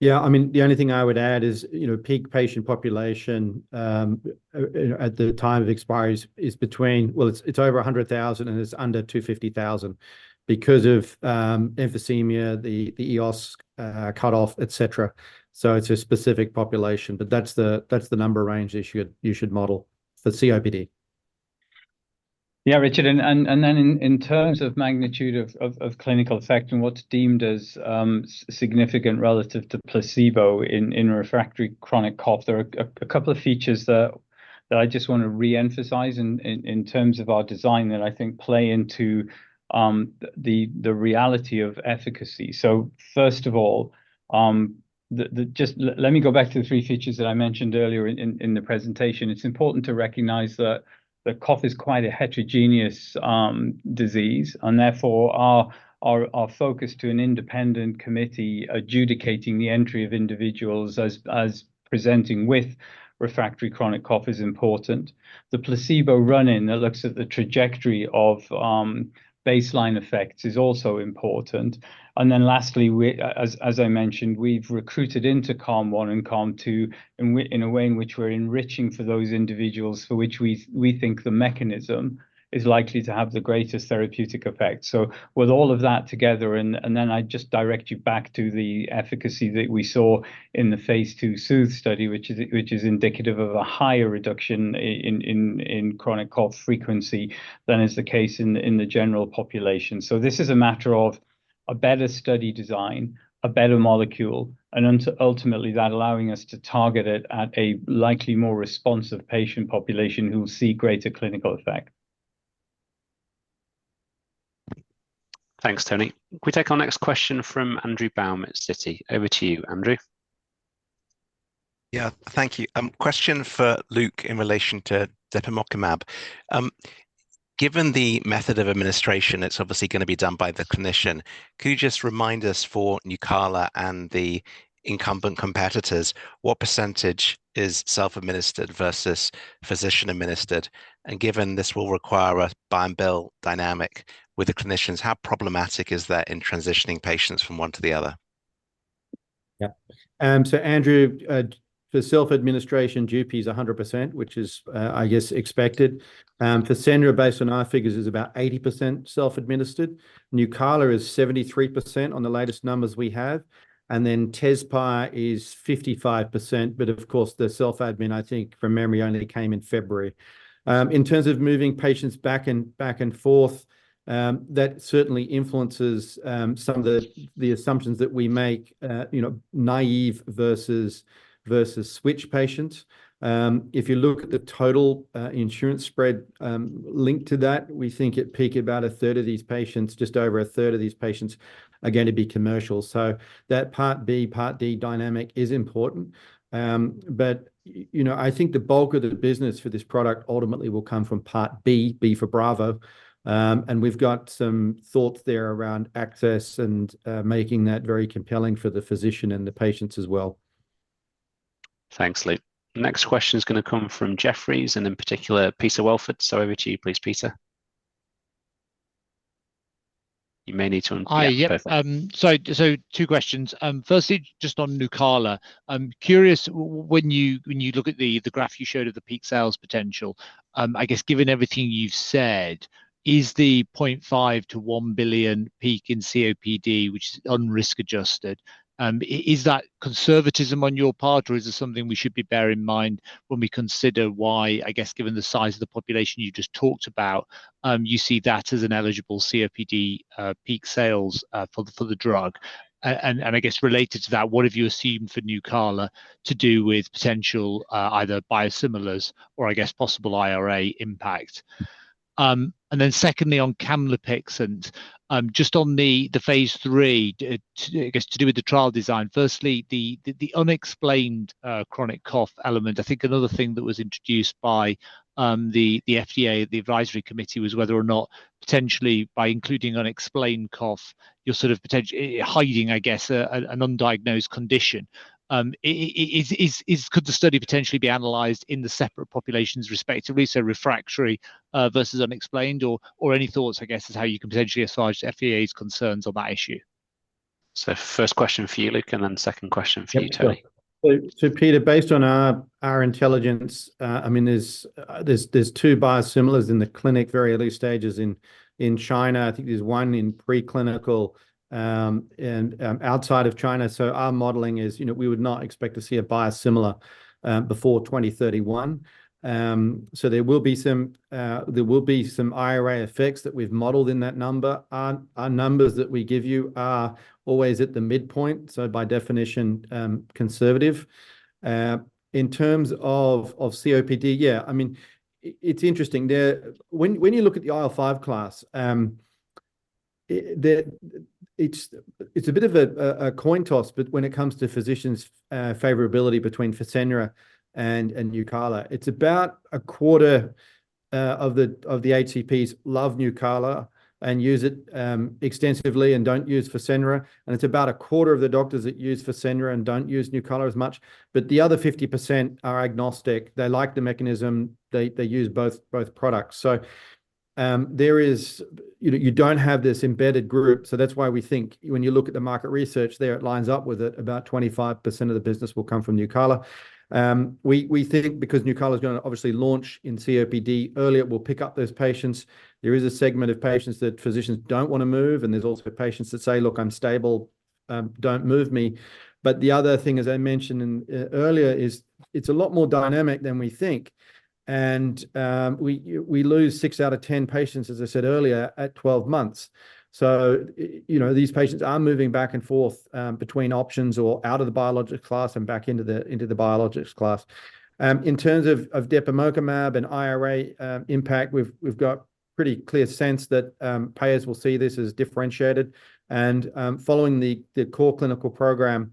Yeah. I mean, the only thing I would add is, you know, peak patient population at the time of expiry is between, well, it's over 100,000, and it's under 250,000 because of emphysema, the EOS cutoff, et cetera. So it's a specific population, but that's the number range you should model for COPD. Yeah, Richard, and then in terms of magnitude of clinical effect and what's deemed as significant relative to placebo in refractory chronic cough, there are a couple of features that I just want to re-emphasize in terms of our design that I think play into the reality of efficacy. So first of all, just let me go back to the three features that I mentioned earlier in the presentation. It's important to recognize that cough is quite a heterogeneous disease, and therefore, our focus to an independent committee adjudicating the entry of individuals as presenting with refractory chronic cough is important. The placebo run-in that looks at the trajectory of baseline effects is also important. And then lastly, as I mentioned, we've recruited into CALM-1 and CALM-2, in a way in which we're enriching for those individuals for which we think the mechanism is likely to have the greatest therapeutic effect. So with all of that together, and then I just direct you back to the efficacy that we saw in the phase II SOOTHE study, which is indicative of a higher reduction in chronic cough frequency than is the case in the general population. So this is a matter of a better study design, a better molecule, and then to ultimately that allowing us to target it at a likely more responsive patient population who will see greater clinical effect. Thanks, Tony. Can we take our next question from Andrew Baum at Citi? Over to you, Andrew. Yeah, thank you. Question for Luke in relation to depemokimab. Given the method of administration, it's obviously gonna be done by the clinician. Could you just remind us for NUCALA and the incumbent competitors, what percentage is self-administered versus physician-administered? And given this will require a buy-and-bill dynamic with the clinicians, how problematic is that in transitioning patients from one to the other? Yeah. So Andrew, for self-administration, DUPIXENT is 100%, which is, I guess, expected. For FASENRA, based on our figures, is about 80% self-administered. NUCALA is 73% on the latest numbers we have, and then TEZSPIRE is 55%. But of course, the self-admin, I think from memory, only came in February. In terms of moving patients back and forth, that certainly influences some of the assumptions that we make, you know, naive versus switch patients. If you look at the total insurance spread, linked to that, we think at peak, about 1/3 of these patients, just over a third of these patients are going to be commercial. So that Part B, Part D dynamic is important. But, you know, I think the bulk of the business for this product ultimately will come from Part B, B for Bravo. And we've got some thoughts there around access and making that very compelling for the physician and the patients as well. Thanks, Luke. Next question is gonna come from Jefferies, and in particular, Peter Welford. So over to you, please, Peter. You may need to- Hi. Yeah. Perfect. So, two questions. Firstly, just on NUCALA. I'm curious, when you look at the graph you showed of the peak sales potential, I guess, given everything you've said, is the $500 million-$1 billion peak in COPD, which is unrisk adjusted, is that conservatism on your part, or is it something we should be bearing in mind when we consider why, I guess, given the size of the population you just talked about, you see that as an eligible COPD peak sales for the drug? And I guess related to that, what have you assumed for NUCALA to do with potential either biosimilars or I guess possible IRA impact? And then secondly, on camlipixant, and just on the phase III, to, I guess, to do with the trial design. Firstly, the unexplained chronic cough element. I think another thing that was introduced by the FDA, the advisory committee, was whether or not potentially by including unexplained cough, you're sort of potentially hiding, I guess, an undiagnosed condition. Is could the study potentially be analyzed in the separate populations respectively, so refractory versus unexplained or any thoughts, I guess, as how you could potentially assuage the FDA's concerns on that issue? First question for you, Luke, and then the second question for you, Tony. Sure. So Peter, based on our intelligence, I mean, there's two biosimilars in the clinic, very early stages in China. I think there's one in preclinical, and outside of China. So our modeling is, you know, we would not expect to see a biosimilar before 2031. So there will be some IRA effects that we've modeled in that number. Our numbers that we give you are always at the midpoint, so by definition, conservative. In terms of COPD, yeah, I mean, it's interesting. When you look at the IL-5 class, it's a bit of a coin toss, but when it comes to physicians' favorability between FASENRA and NUCALA, it's about 1/4 of the HCPs love NUCALA and use it extensively and don't use FASENRA, and it's about 1/4 of the doctors that use FASENRA and don't use NUCALA as much. But the other 50% are agnostic. They like the mechanism. They use both products. So, there is, you know, you don't have this embedded group, so that's why we think when you look at the market research there, it lines up with it. About 25% of the business will come from NUCALA. We think because NUCALA is gonna obviously launch in COPD early, it will pick up those patients. There is a segment of patients that physicians don't wanna move, and there's also patients that say: "Look, I'm stable, don't move me." But the other thing, as I mentioned in earlier, is it's a lot more dynamic than we think. And we lose six out of 10 patients, as I said earlier, at 12 months. So you know, these patients are moving back and forth between options or out of the biologic class and back into the biologics class. In terms of depemokimab and IRA impact, we've got pretty clear sense that payers will see this as differentiated. And following the core clinical program,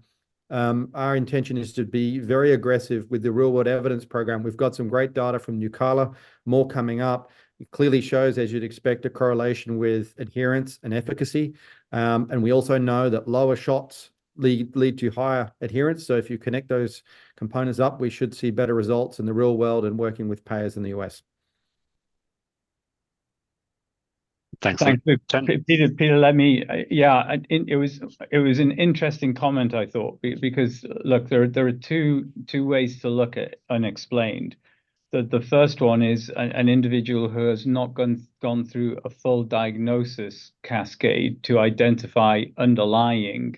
our intention is to be very aggressive with the real world evidence program. We've got some great data from NUCALA, more coming up. It clearly shows, as you'd expect, a correlation with adherence and efficacy. And we also know that lower shots lead to higher adherence, so if you connect those components up, we should see better results in the real world and working with payers in the U.S. Thanks, Luke. Tony? Peter, let me, yeah, and it was an interesting comment, I thought, because look, there are two ways to look at unexplained. The first one is an individual who has not gone through a full diagnosis cascade to identify underlying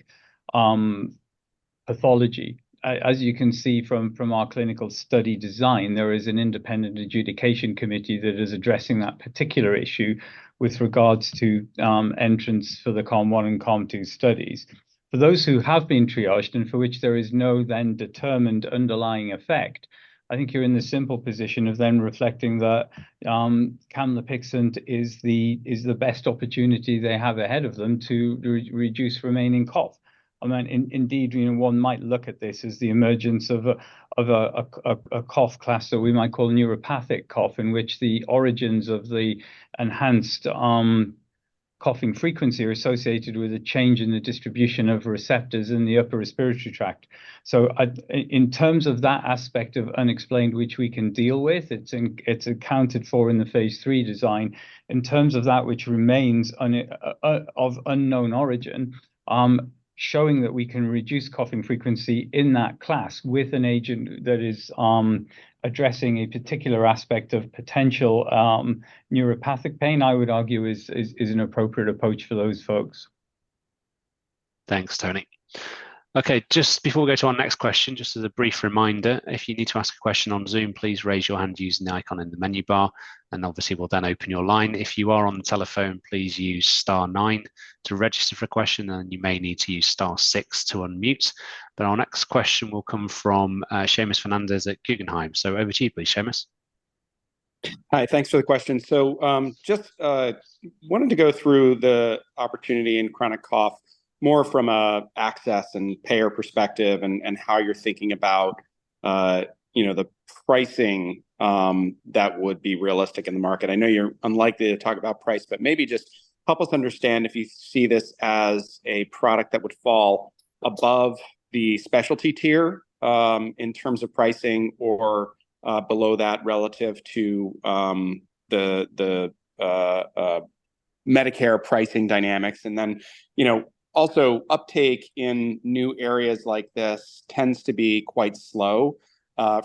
pathology. As you can see from our clinical study design, there is an independent adjudication committee that is addressing that particular issue with regards to entrance for the CALM-1 and CALM-2 studies. For those who have been triaged and for which there is no then determined underlying effect, I think you're in the simple position of then reflecting that camlipixant is the best opportunity they have ahead of them to reduce remaining cough. I mean, indeed, you know, one might look at this as the emergence of a cough class that we might call neuropathic cough, in which the origins of the enhanced coughing frequency are associated with a change in the distribution of receptors in the upper respiratory tract. So, in terms of that aspect of unexplained, which we can deal with, it's accounted for in the phase III design. In terms of that which remains of unknown origin, showing that we can reduce coughing frequency in that class with an agent that is addressing a particular aspect of potential neuropathic pain, I would argue, is an appropriate approach for those folks. Thanks, Tony. Okay, just before we go to our next question, just as a brief reminder, if you need to ask a question on Zoom, please raise your hand using the icon in the menu bar, and obviously we'll then open your line. If you are on the telephone, please use star nine to register for a question, and you may need to use star six to unmute. But our next question will come from, Seamus Fernandez at Guggenheim. So over to you, please, Seamus. Hi. Thanks for the question. So, just wanted to go through the opportunity in chronic cough more from an access and payer perspective, and how you're thinking about, you know, the pricing that would be realistic in the market. I know you're unlikely to talk about price, but maybe just help us understand if you see this as a product that would fall above the specialty tier, in terms of pricing or below that relative to the Medicare pricing dynamics. And then, you know, also uptake in new areas like this tends to be quite slow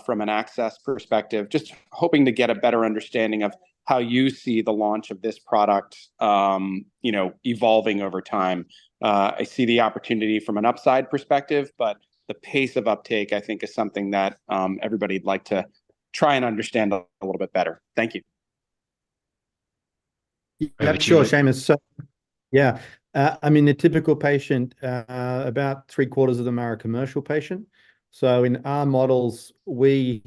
from an access perspective. Just hoping to get a better understanding of how you see the launch of this product, you know, evolving over time. I see the opportunity from an upside perspective, but the pace of uptake, I think, is something that everybody'd like to try and understand a little bit better. Thank you. Yeah, sure, Seamus. So, yeah, I mean, the typical patient, about 3/4 of them are a commercial patient. So in our models, we've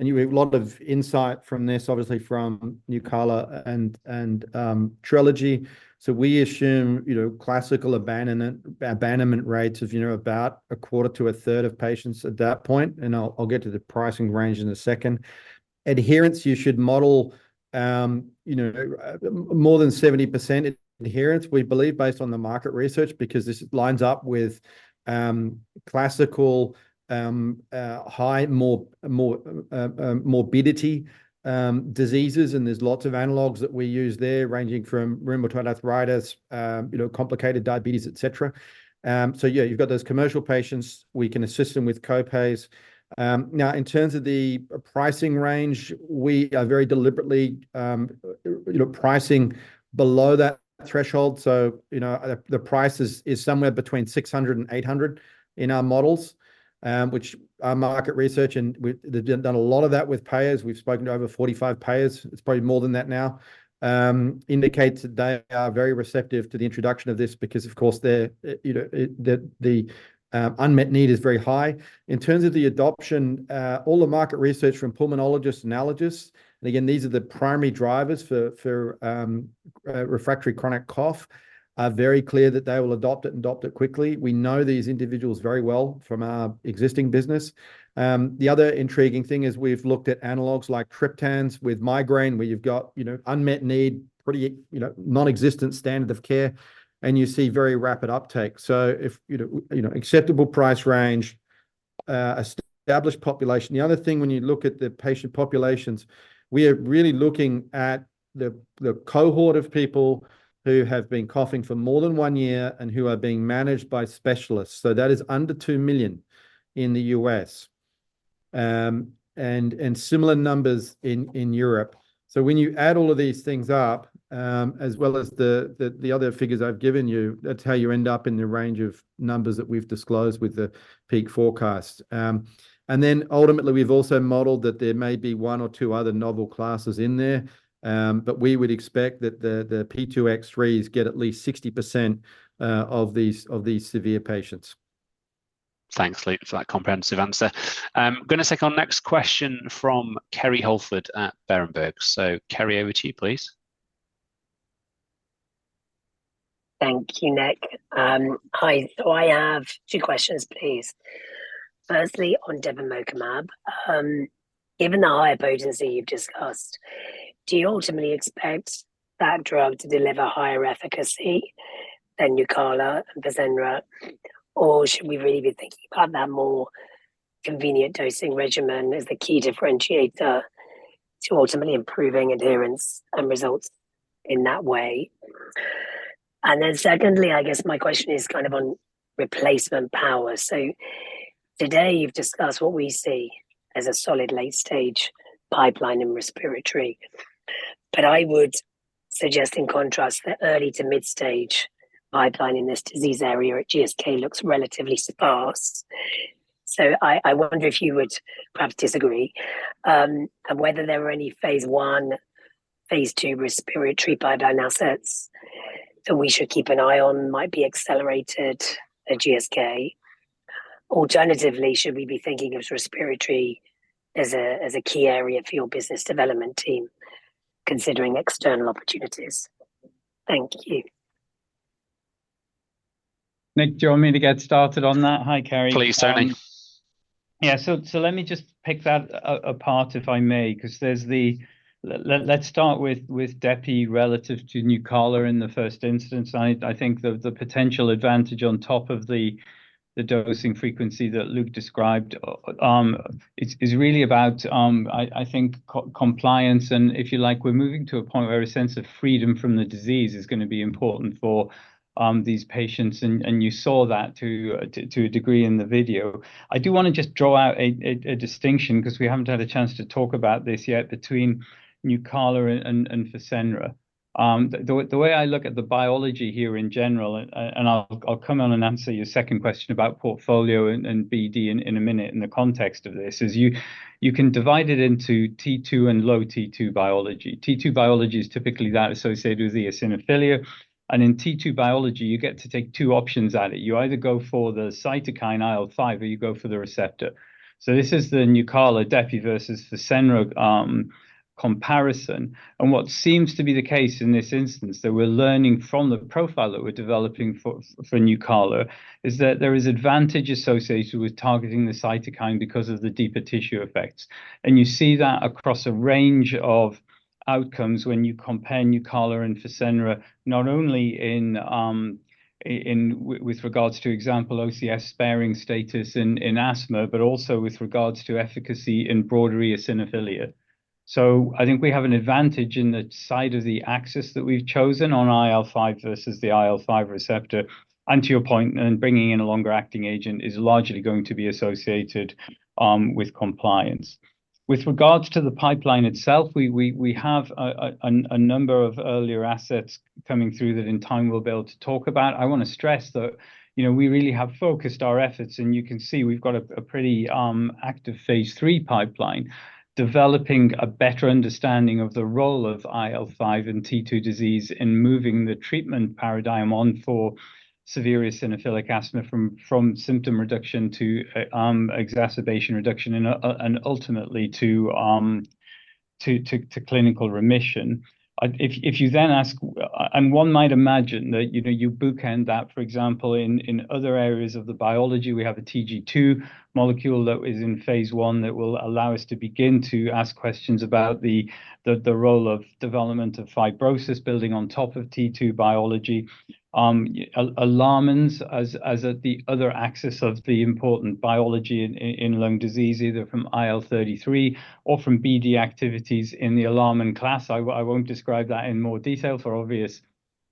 a lot of insight from this, obviously from NUCALA and TRELEGY. So we assume, you know, classical abandonment rates of, you know, about 1/4 to 1/3 of patients at that point, and I'll get to the pricing range in a second. Adherence, you should model, you know, more than 70% adherence, we believe, based on the market research, because this lines up with classical high morbidity diseases. And there's lots of analogues that we use there, ranging from rheumatoid arthritis, you know, complicated diabetes, et cetera. So yeah, you've got those commercial patients. We can assist them with co-pays. Now, in terms of the pricing range, we are very deliberately, you know, pricing below that threshold. So, you know, the, the price is, is somewhere between $600-$800 in our models, which our market research, and we've done a lot of that with payers. We've spoken to over 45 payers, it's probably more than that now, indicates that they are very receptive to the introduction of this because, of course, they're, you know, the unmet need is very high. In terms of the adoption, all the market research from pulmonologists, allergists, and again, these are the primary drivers for refractory chronic cough are very clear that they will adopt it and adopt it quickly. We know these individuals very well from our existing business. The other intriguing thing is we've looked at analogues like triptans with migraine, where you've got, you know, unmet need, pretty, you know, non-existent standard of care, and you see very rapid uptake. So, you know, acceptable price range, established population. The other thing, when you look at the patient populations, we are really looking at the cohort of people who have been coughing for more than one year and who are being managed by specialists, so that is under two million in the U.S., and similar numbers in Europe. So when you add all of these things up, as well as the other figures I've given you, that's how you end up in the range of numbers that we've disclosed with the peak forecast. And then ultimately, we've also modeled that there may be one or two other novel classes in there, but we would expect that the, the P2X3s get at least 60% of these, of these severe patients. Thanks, Luke, for that comprehensive answer. I'm gonna take our next question from Kerry Holford at Berenberg. So, Kerry, over to you, please. Thank you, Nick. Hi. So I have two questions, please. Firstly, on depemokimab, given the high potency you've discussed, do you ultimately expect that drug to deliver higher efficacy than NUCALA and FASENRA? Or should we really be thinking about that more convenient dosing regimen as the key differentiator to ultimately improving adherence and results in that way? And then secondly, I guess my question is kind of on replacement power. So today, you've discussed what we see as a solid late-stage pipeline in respiratory. But I suggest in contrast that early to mid-stage pipeline in this disease area at GSK looks relatively sparse. So I wonder if you would perhaps disagree, and whether there were any phase I, phase II respiratory pipeline assets that we should keep an eye on, might be accelerated at GSK? Alternatively, should we be thinking of respiratory as a key area for your business development team, considering external opportunities? Thank you. Nick, do you want me to get started on that? Hi, Kerry. Please, Tony. Yeah. So let me just pick that apart, if I may, let's start with depi relative to NUCALA in the first instance. I think the potential advantage on top of the dosing frequency that Luke described is really about compliance. And if you like, we're moving to a point where a sense of freedom from the disease is gonna be important for these patients, and you saw that to a degree in the video. I do wanna just draw out a distinction, 'cause we haven't had a chance to talk about this yet, between NUCALA and FASENRA. The way I look at the biology here in general, and I'll come on and answer your second question about portfolio and BD in a minute in the context of this, is you can divide it into T2 and low T2 biology. T2 biology is typically that associated with the eosinophilia, and in T2 biology, you get to take two options at it. You either go for the cytokine IL-5 or you go for the receptor. So this is the NUCALA depi versus FASENRA comparison. And what seems to be the case in this instance, that we're learning from the profile that we're developing for NUCALA, is that there is advantage associated with targeting the cytokine because of the deeper tissue effects. You see that across a range of outcomes when you compare NUCALA and FASENRA, not only in with regards to example, OCS sparing status in asthma, but also with regards to efficacy in broader eosinophilia. So I think we have an advantage in the side of the axis that we've chosen on IL-5 versus the IL-5 receptor. To your point, bringing in a longer acting agent is largely going to be associated with compliance. With regards to the pipeline itself, we have a number of earlier assets coming through that in time we'll be able to talk about. I wanna stress, though, you know, we really have focused our efforts, and you can see we've got a pretty active phase III pipeline, developing a better understanding of the role of IL-5 in T2 disease, in moving the treatment paradigm on for severe eosinophilic asthma from symptom reduction to exacerbation reduction, and ultimately to clinical remission. And one might imagine that, you know, you bookend that, for example, in other areas of the biology. We have a TG2 molecule that is in phase I that will allow us to begin to ask questions about the role of development of fibrosis building on top of T2 biology. Alarmin, as at the other axis of the important biology in lung disease, either from IL-33 or from BD activities in the alarmin class, I won't describe that in more detail for obvious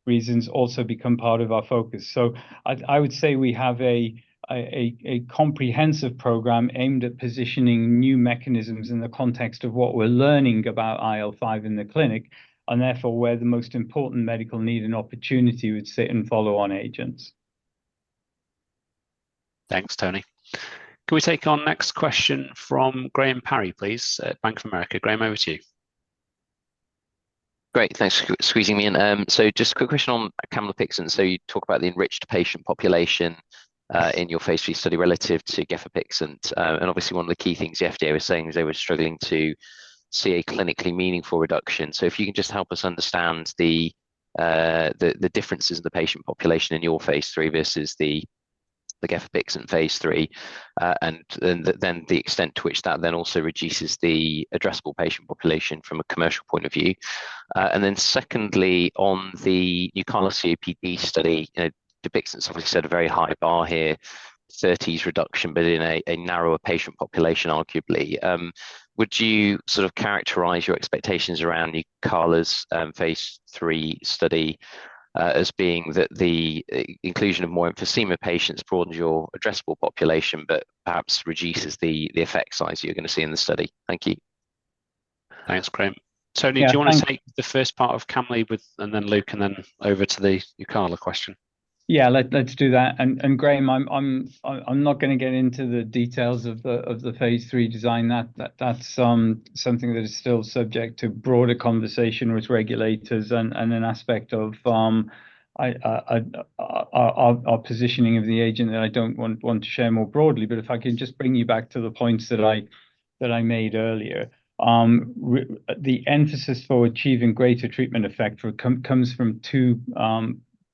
reasons, also become part of our focus. So I would say we have a comprehensive program aimed at positioning new mechanisms in the context of what we're learning about IL-5 in the clinic, and therefore, where the most important medical need and opportunity would sit in follow-on agents. Thanks, Tony. Can we take our next question from Graham Parry, please, at Bank of America? Graham, over to you. Great. Thanks for squeezing me in. So just a quick question on camlipixant. So you talk about the enriched patient population in your phase III study relative to gefapixant. And obviously one of the key things the FDA was saying is they were struggling to see a clinically meaningful reduction. So if you can just help us understand the differences in the patient population in your phase III versus the gefapixant phase III, and then the extent to which that then also reduces the addressable patient population from a commercial point of view. And then secondly, on the NUCALA COPD study, you know, DUPIXENT obviously set a very high bar here, 30s reduction, but in a narrower patient population, arguably. Would you sort of characterize your expectations around NUCALA's phase III study as being that the inclusion of more emphysematous patients broadens your addressable population, but perhaps reduces the effect size you're gonna see in the study? Thank you. Thanks, Graham. Yeah, thank- Tony, do you wanna take the first part of camlipixant with, and then Luke, and then over to the NUCALA question? Yeah, let's do that. And Graham, I'm not gonna get into the details of the phase III design. That's something that is still subject to broader conversation with regulators and an aspect of our positioning of the agent that I don't want to share more broadly. But if I can just bring you back to the points that I made earlier. The emphasis for achieving greater treatment effect comes from two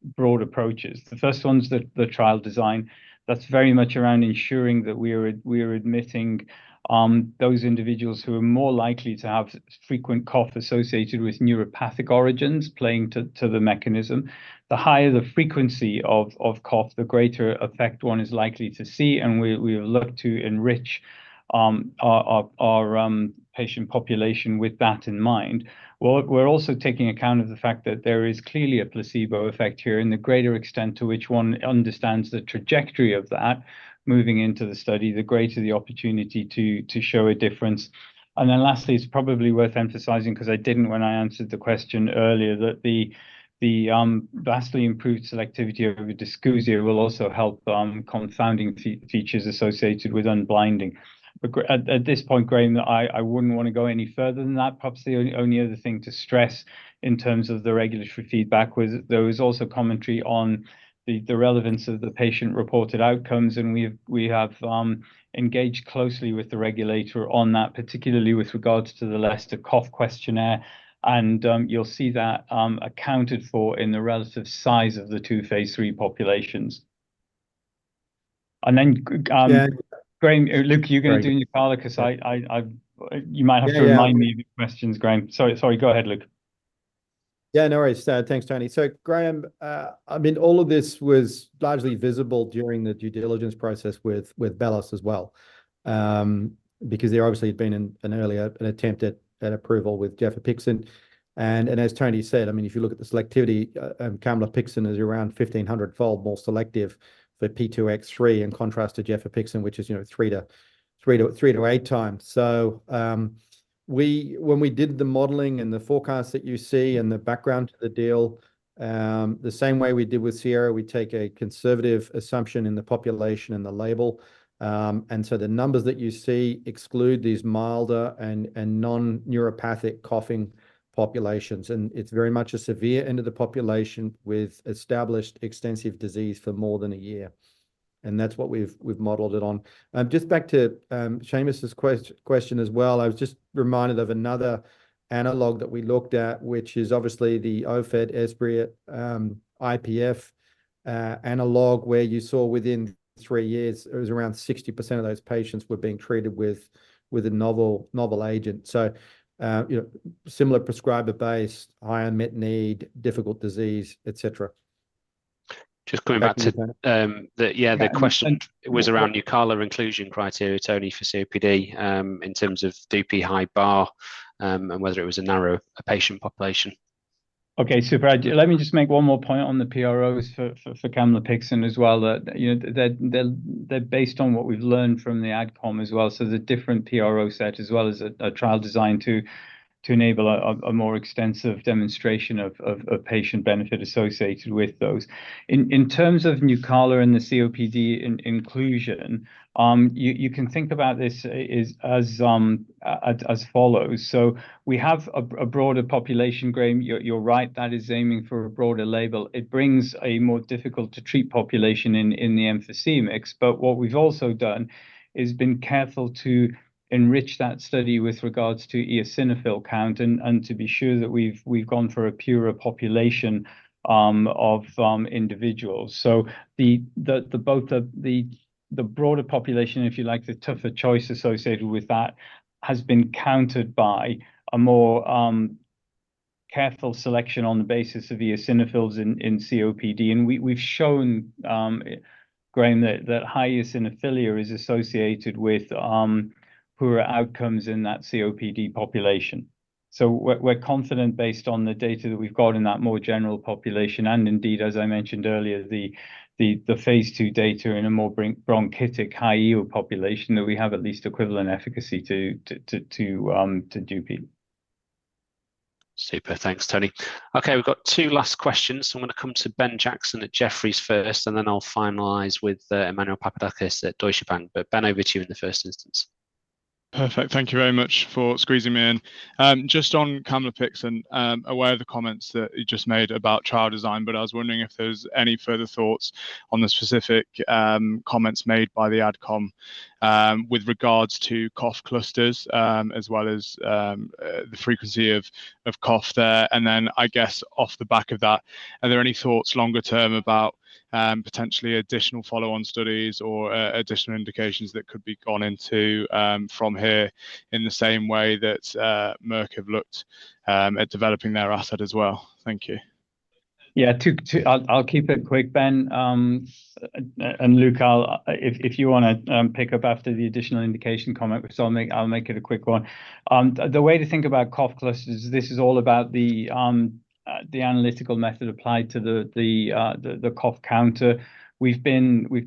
broad approaches. The first one's the trial design. That's very much around ensuring that we're admitting those individuals who are more likely to have frequent cough associated with neuropathic origins playing to the mechanism. The higher the frequency of cough, the greater effect one is likely to see, and we have looked to enrich our patient population with that in mind. Well, we're also taking account of the fact that there is clearly a placebo effect here, and the greater extent to which one understands the trajectory of that moving into the study, the greater the opportunity to show a difference. And then lastly, it's probably worth emphasizing, 'cause I didn't when I answered the question earlier, that the vastly improved selectivity of dysgeusia will also help confounding features associated with unblinding. But at this point, Graham, I wouldn't wanna go any further than that. Perhaps the only other thing to stress in terms of the regulatory feedback was there was also commentary on the relevance of the patient-reported outcomes, and we have engaged closely with the regulator on that, particularly with regards to the Leicester Cough Questionnaire, and you'll see that accounted for in the relative size of the two phase III populations. Yeah. Graham, Luke, are you gonna do NUCALA? 'Cause I, I've, you might have to. Yeah Remind me of the questions, Graham. Sorry, sorry, go ahead, Luke. Yeah, no worries. Thanks, Tony. So Graham, I mean, all of this was largely visible during the due diligence process with BELLUS as well, because there obviously had been an earlier attempt at approval with gefapixant. And as Tony said, I mean, if you look at the selectivity, camlipixant is around 1,500-fold more selective for P2X3, in contrast to gefapixant, which is, you know, 3x-8x. So, when we did the modeling and the forecast that you see and the background to the deal, the same way we did with Sierra, we take a conservative assumption in the population and the label. and so the numbers that you see exclude these milder and, and non-neuropathic coughing populations, and it's very much a severe end of the population with established extensive disease for more than a year, and that's what we've modeled it on. Just back to, Seamus's question as well, I was just reminded of another analog that we looked at, which is obviously the OFEV, Esbriet, IPF, analog, where you saw within three years, it was around 60% of those patients were being treated with a novel agent. So, you know, similar prescriber base, high unmet need, difficult disease, et cetera. Just coming back to the question. It was around NUCALA inclusion criteria, Tony, for COPD, in terms of DP high bar, and whether it was a narrower, a patient population. Okay, super. Let me just make one more point on the PROs for camlipixant as well, you know, that they're based on what we've learned from the Ad Com as well, so there's a different PRO set, as well as a trial designed to enable a more extensive demonstration of patient benefit associated with those. In terms of NUCALA and the COPD inclusion, you can think about this as follows. So we have a broader population, Graham, you're right, that is aiming for a broader label. It brings a more difficult to treat population in the emphysemics, but what we've also done is been careful to enrich that study with regards to eosinophil count and to be sure that we've gone for a purer population of individuals. So the broader population, if you like, the tougher choice associated with that has been countered by a more careful selection on the basis of eosinophils in COPD. And we've shown, Graham, that that high eosinophilia is associated with poorer outcomes in that COPD population. So we're confident based on the data that we've got in that more general population, and indeed, as I mentioned earlier, the phase II data in a more bronchiectasis population, that we have at least equivalent efficacy to DUPIXENT. Super. Thanks, Tony. Okay, we've got two last questions. I'm gonna come to Ben Jackson at Jefferies first, and then I'll finalize with Emmanuel Papadakis at Deutsche Bank. But Ben, over to you in the first instance. Perfect. Thank you very much for squeezing me in. Just on camlipixant, aware of the comments that you just made about trial design, but I was wondering if there's any further thoughts on the specific comments made by the Ad Com with regards to cough clusters as well as the frequency of cough there. And then, I guess, off the back of that, are there any thoughts longer term about potentially additional follow-on studies or additional indications that could be gone into from here, in the same way that Merck have looked at developing their asset as well? Thank you. Yeah, I'll keep it quick, Ben. And Luke, I'll, if you wanna pick up after the additional indication comment, so I'll make it a quick one. The way to think about cough clusters is this is all about the analytical method applied to the cough counter. We've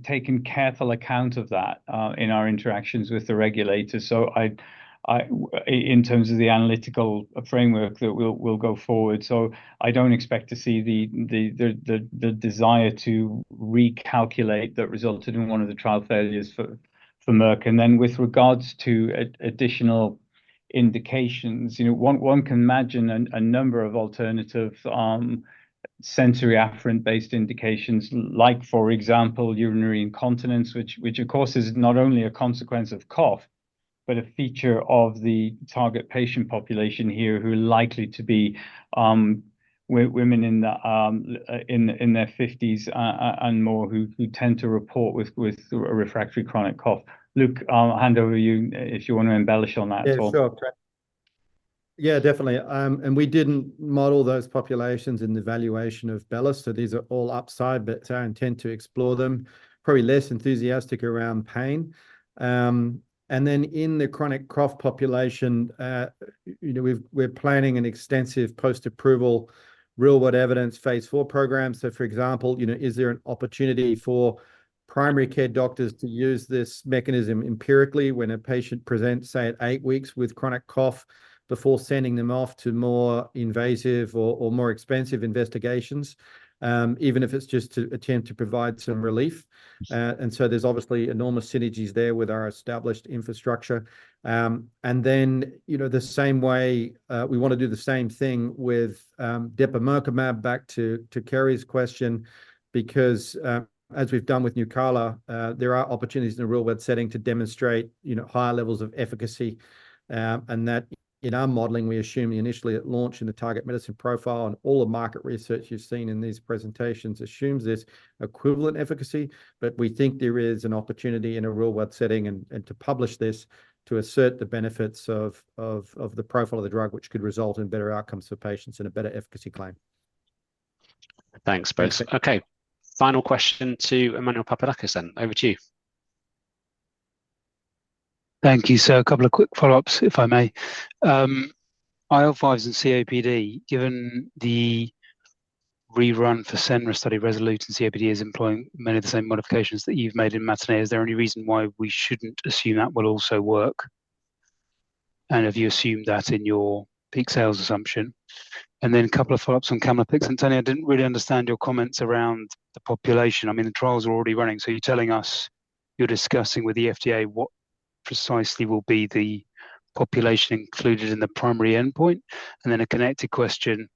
taken careful account of that in our interactions with the regulators, so in terms of the analytical framework that we'll go forward. So I don't expect to see the desire to recalculate that resulted in one of the trial failures for Merck. And then with regards to additional indications, you know, one can imagine a number of alternative sensory afferent-based indications, like, for example, urinary incontinence, which of course, is not only a consequence of cough, but a feature of the target patient population here, who are likely to be women in their 50s and more, who tend to report with a refractory chronic cough. Luke, I'll hand over to you if you want to embellish on that at all. Yeah, sure, Tony. Yeah, definitely. And we didn't model those populations in the valuation of BELLUS, so these are all upside, but I intend to explore them. Probably less enthusiastic around pain. And then in the chronic cough population, you know, we're planning an extensive post-approval real world evidence phase IV program. So for example, you know, is there an opportunity for primary care doctors to use this mechanism empirically when a patient presents, say, at eight weeks with chronic cough, before sending them off to more invasive or more expensive investigations, even if it's just to attempt to provide some relief? And so there's obviously enormous synergies there with our established infrastructure. And then, you know, the same way, we wanna do the same thing with depemokimab, back to Kerry’s question, because, as we've done with NUCALA, there are opportunities in the real world setting to demonstrate, you know, higher levels of efficacy. And that in our modeling, we assume initially at launch in the target medicine profile, and all the market research you've seen in these presentations assumes there's equivalent efficacy. But we think there is an opportunity in a real world setting and to publish this, to assert the benefits of the profile of the drug, which could result in better outcomes for patients and a better efficacy claim. Thanks, both. Okay, final question to Emmanuel Papadakis then. Over to you. Thank you, sir. A couple of quick follow-ups, if I may. IL-5s and COPD, given the rerun for FASENRA study, RESOLUTE and COPD is employing many of the same modifications that you've made in MATINÉE. Is there any reason why we shouldn't assume that will also work? And have you assumed that in your peak sales assumption? And then a couple of follow-ups on camlipixant, and Tony, I didn't really understand your comments around the population. I mean, the trials are already running, so you're telling us you're discussing with the FDA what precisely will be the population included in the primary endpoint? Then a connected question,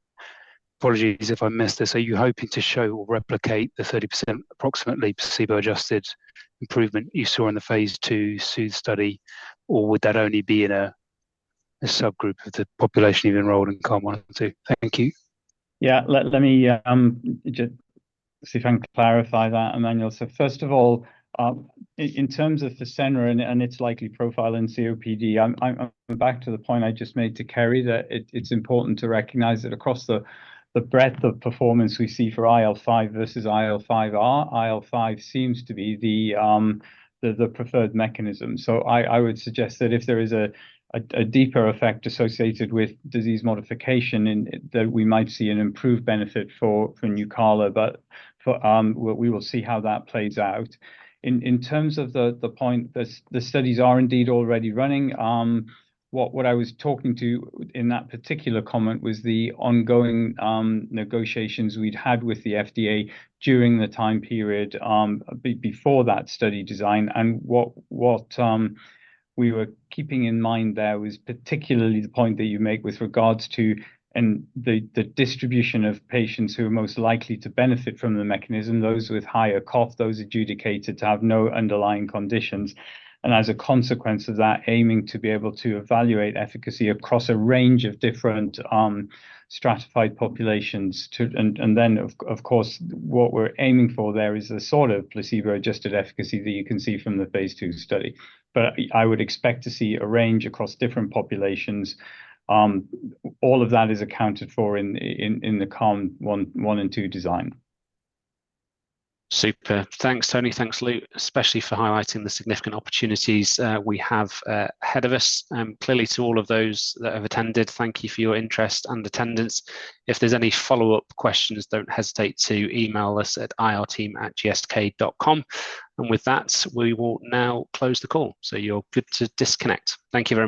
apologies if I missed this, are you hoping to show or replicate the 30%, approximately, placebo-adjusted improvement you saw in the phase II SOOTHE study, or would that only be in a subgroup of the population you've enrolled in CALM-1 and CALM-2? Thank you. Yeah. Let me just see if I can clarify that, Emmanuel. So first of all, in terms of the FASENRA and its likely profile in COPD, I'm back to the point I just made to Kerry, that it's important to recognize that across the breadth of performance we see for IL-5 versus IL-5R, IL-5 seems to be the preferred mechanism. So I would suggest that if there is a deeper effect associated with disease modification, that we might see an improved benefit for NUCALA, but we will see how that plays out. In terms of the point, the studies are indeed already running. What I was talking to in that particular comment was the ongoing negotiations we'd had with the FDA during the time period before that study design. And what we were keeping in mind there was particularly the point that you make with regards to the distribution of patients who are most likely to benefit from the mechanism, those with higher cough, those adjudicated to have no underlying conditions. And as a consequence of that, aiming to be able to evaluate efficacy across a range of different stratified populations to. And then, of course, what we're aiming for there is a sort of placebo-adjusted efficacy that you can see from the phase II study. But I would expect to see a range across different populations. All of that is accounted for in the CALM-1, 1 and 2 design. Super. Thanks, Tony. Thanks, Luke, especially for highlighting the significant opportunities we have ahead of us. Clearly, to all of those that have attended, thank you for your interest and attendance. If there's any follow-up questions, don't hesitate to email us at irteam@gsk.com. And with that, we will now close the call, so you're good to disconnect. Thank you very much.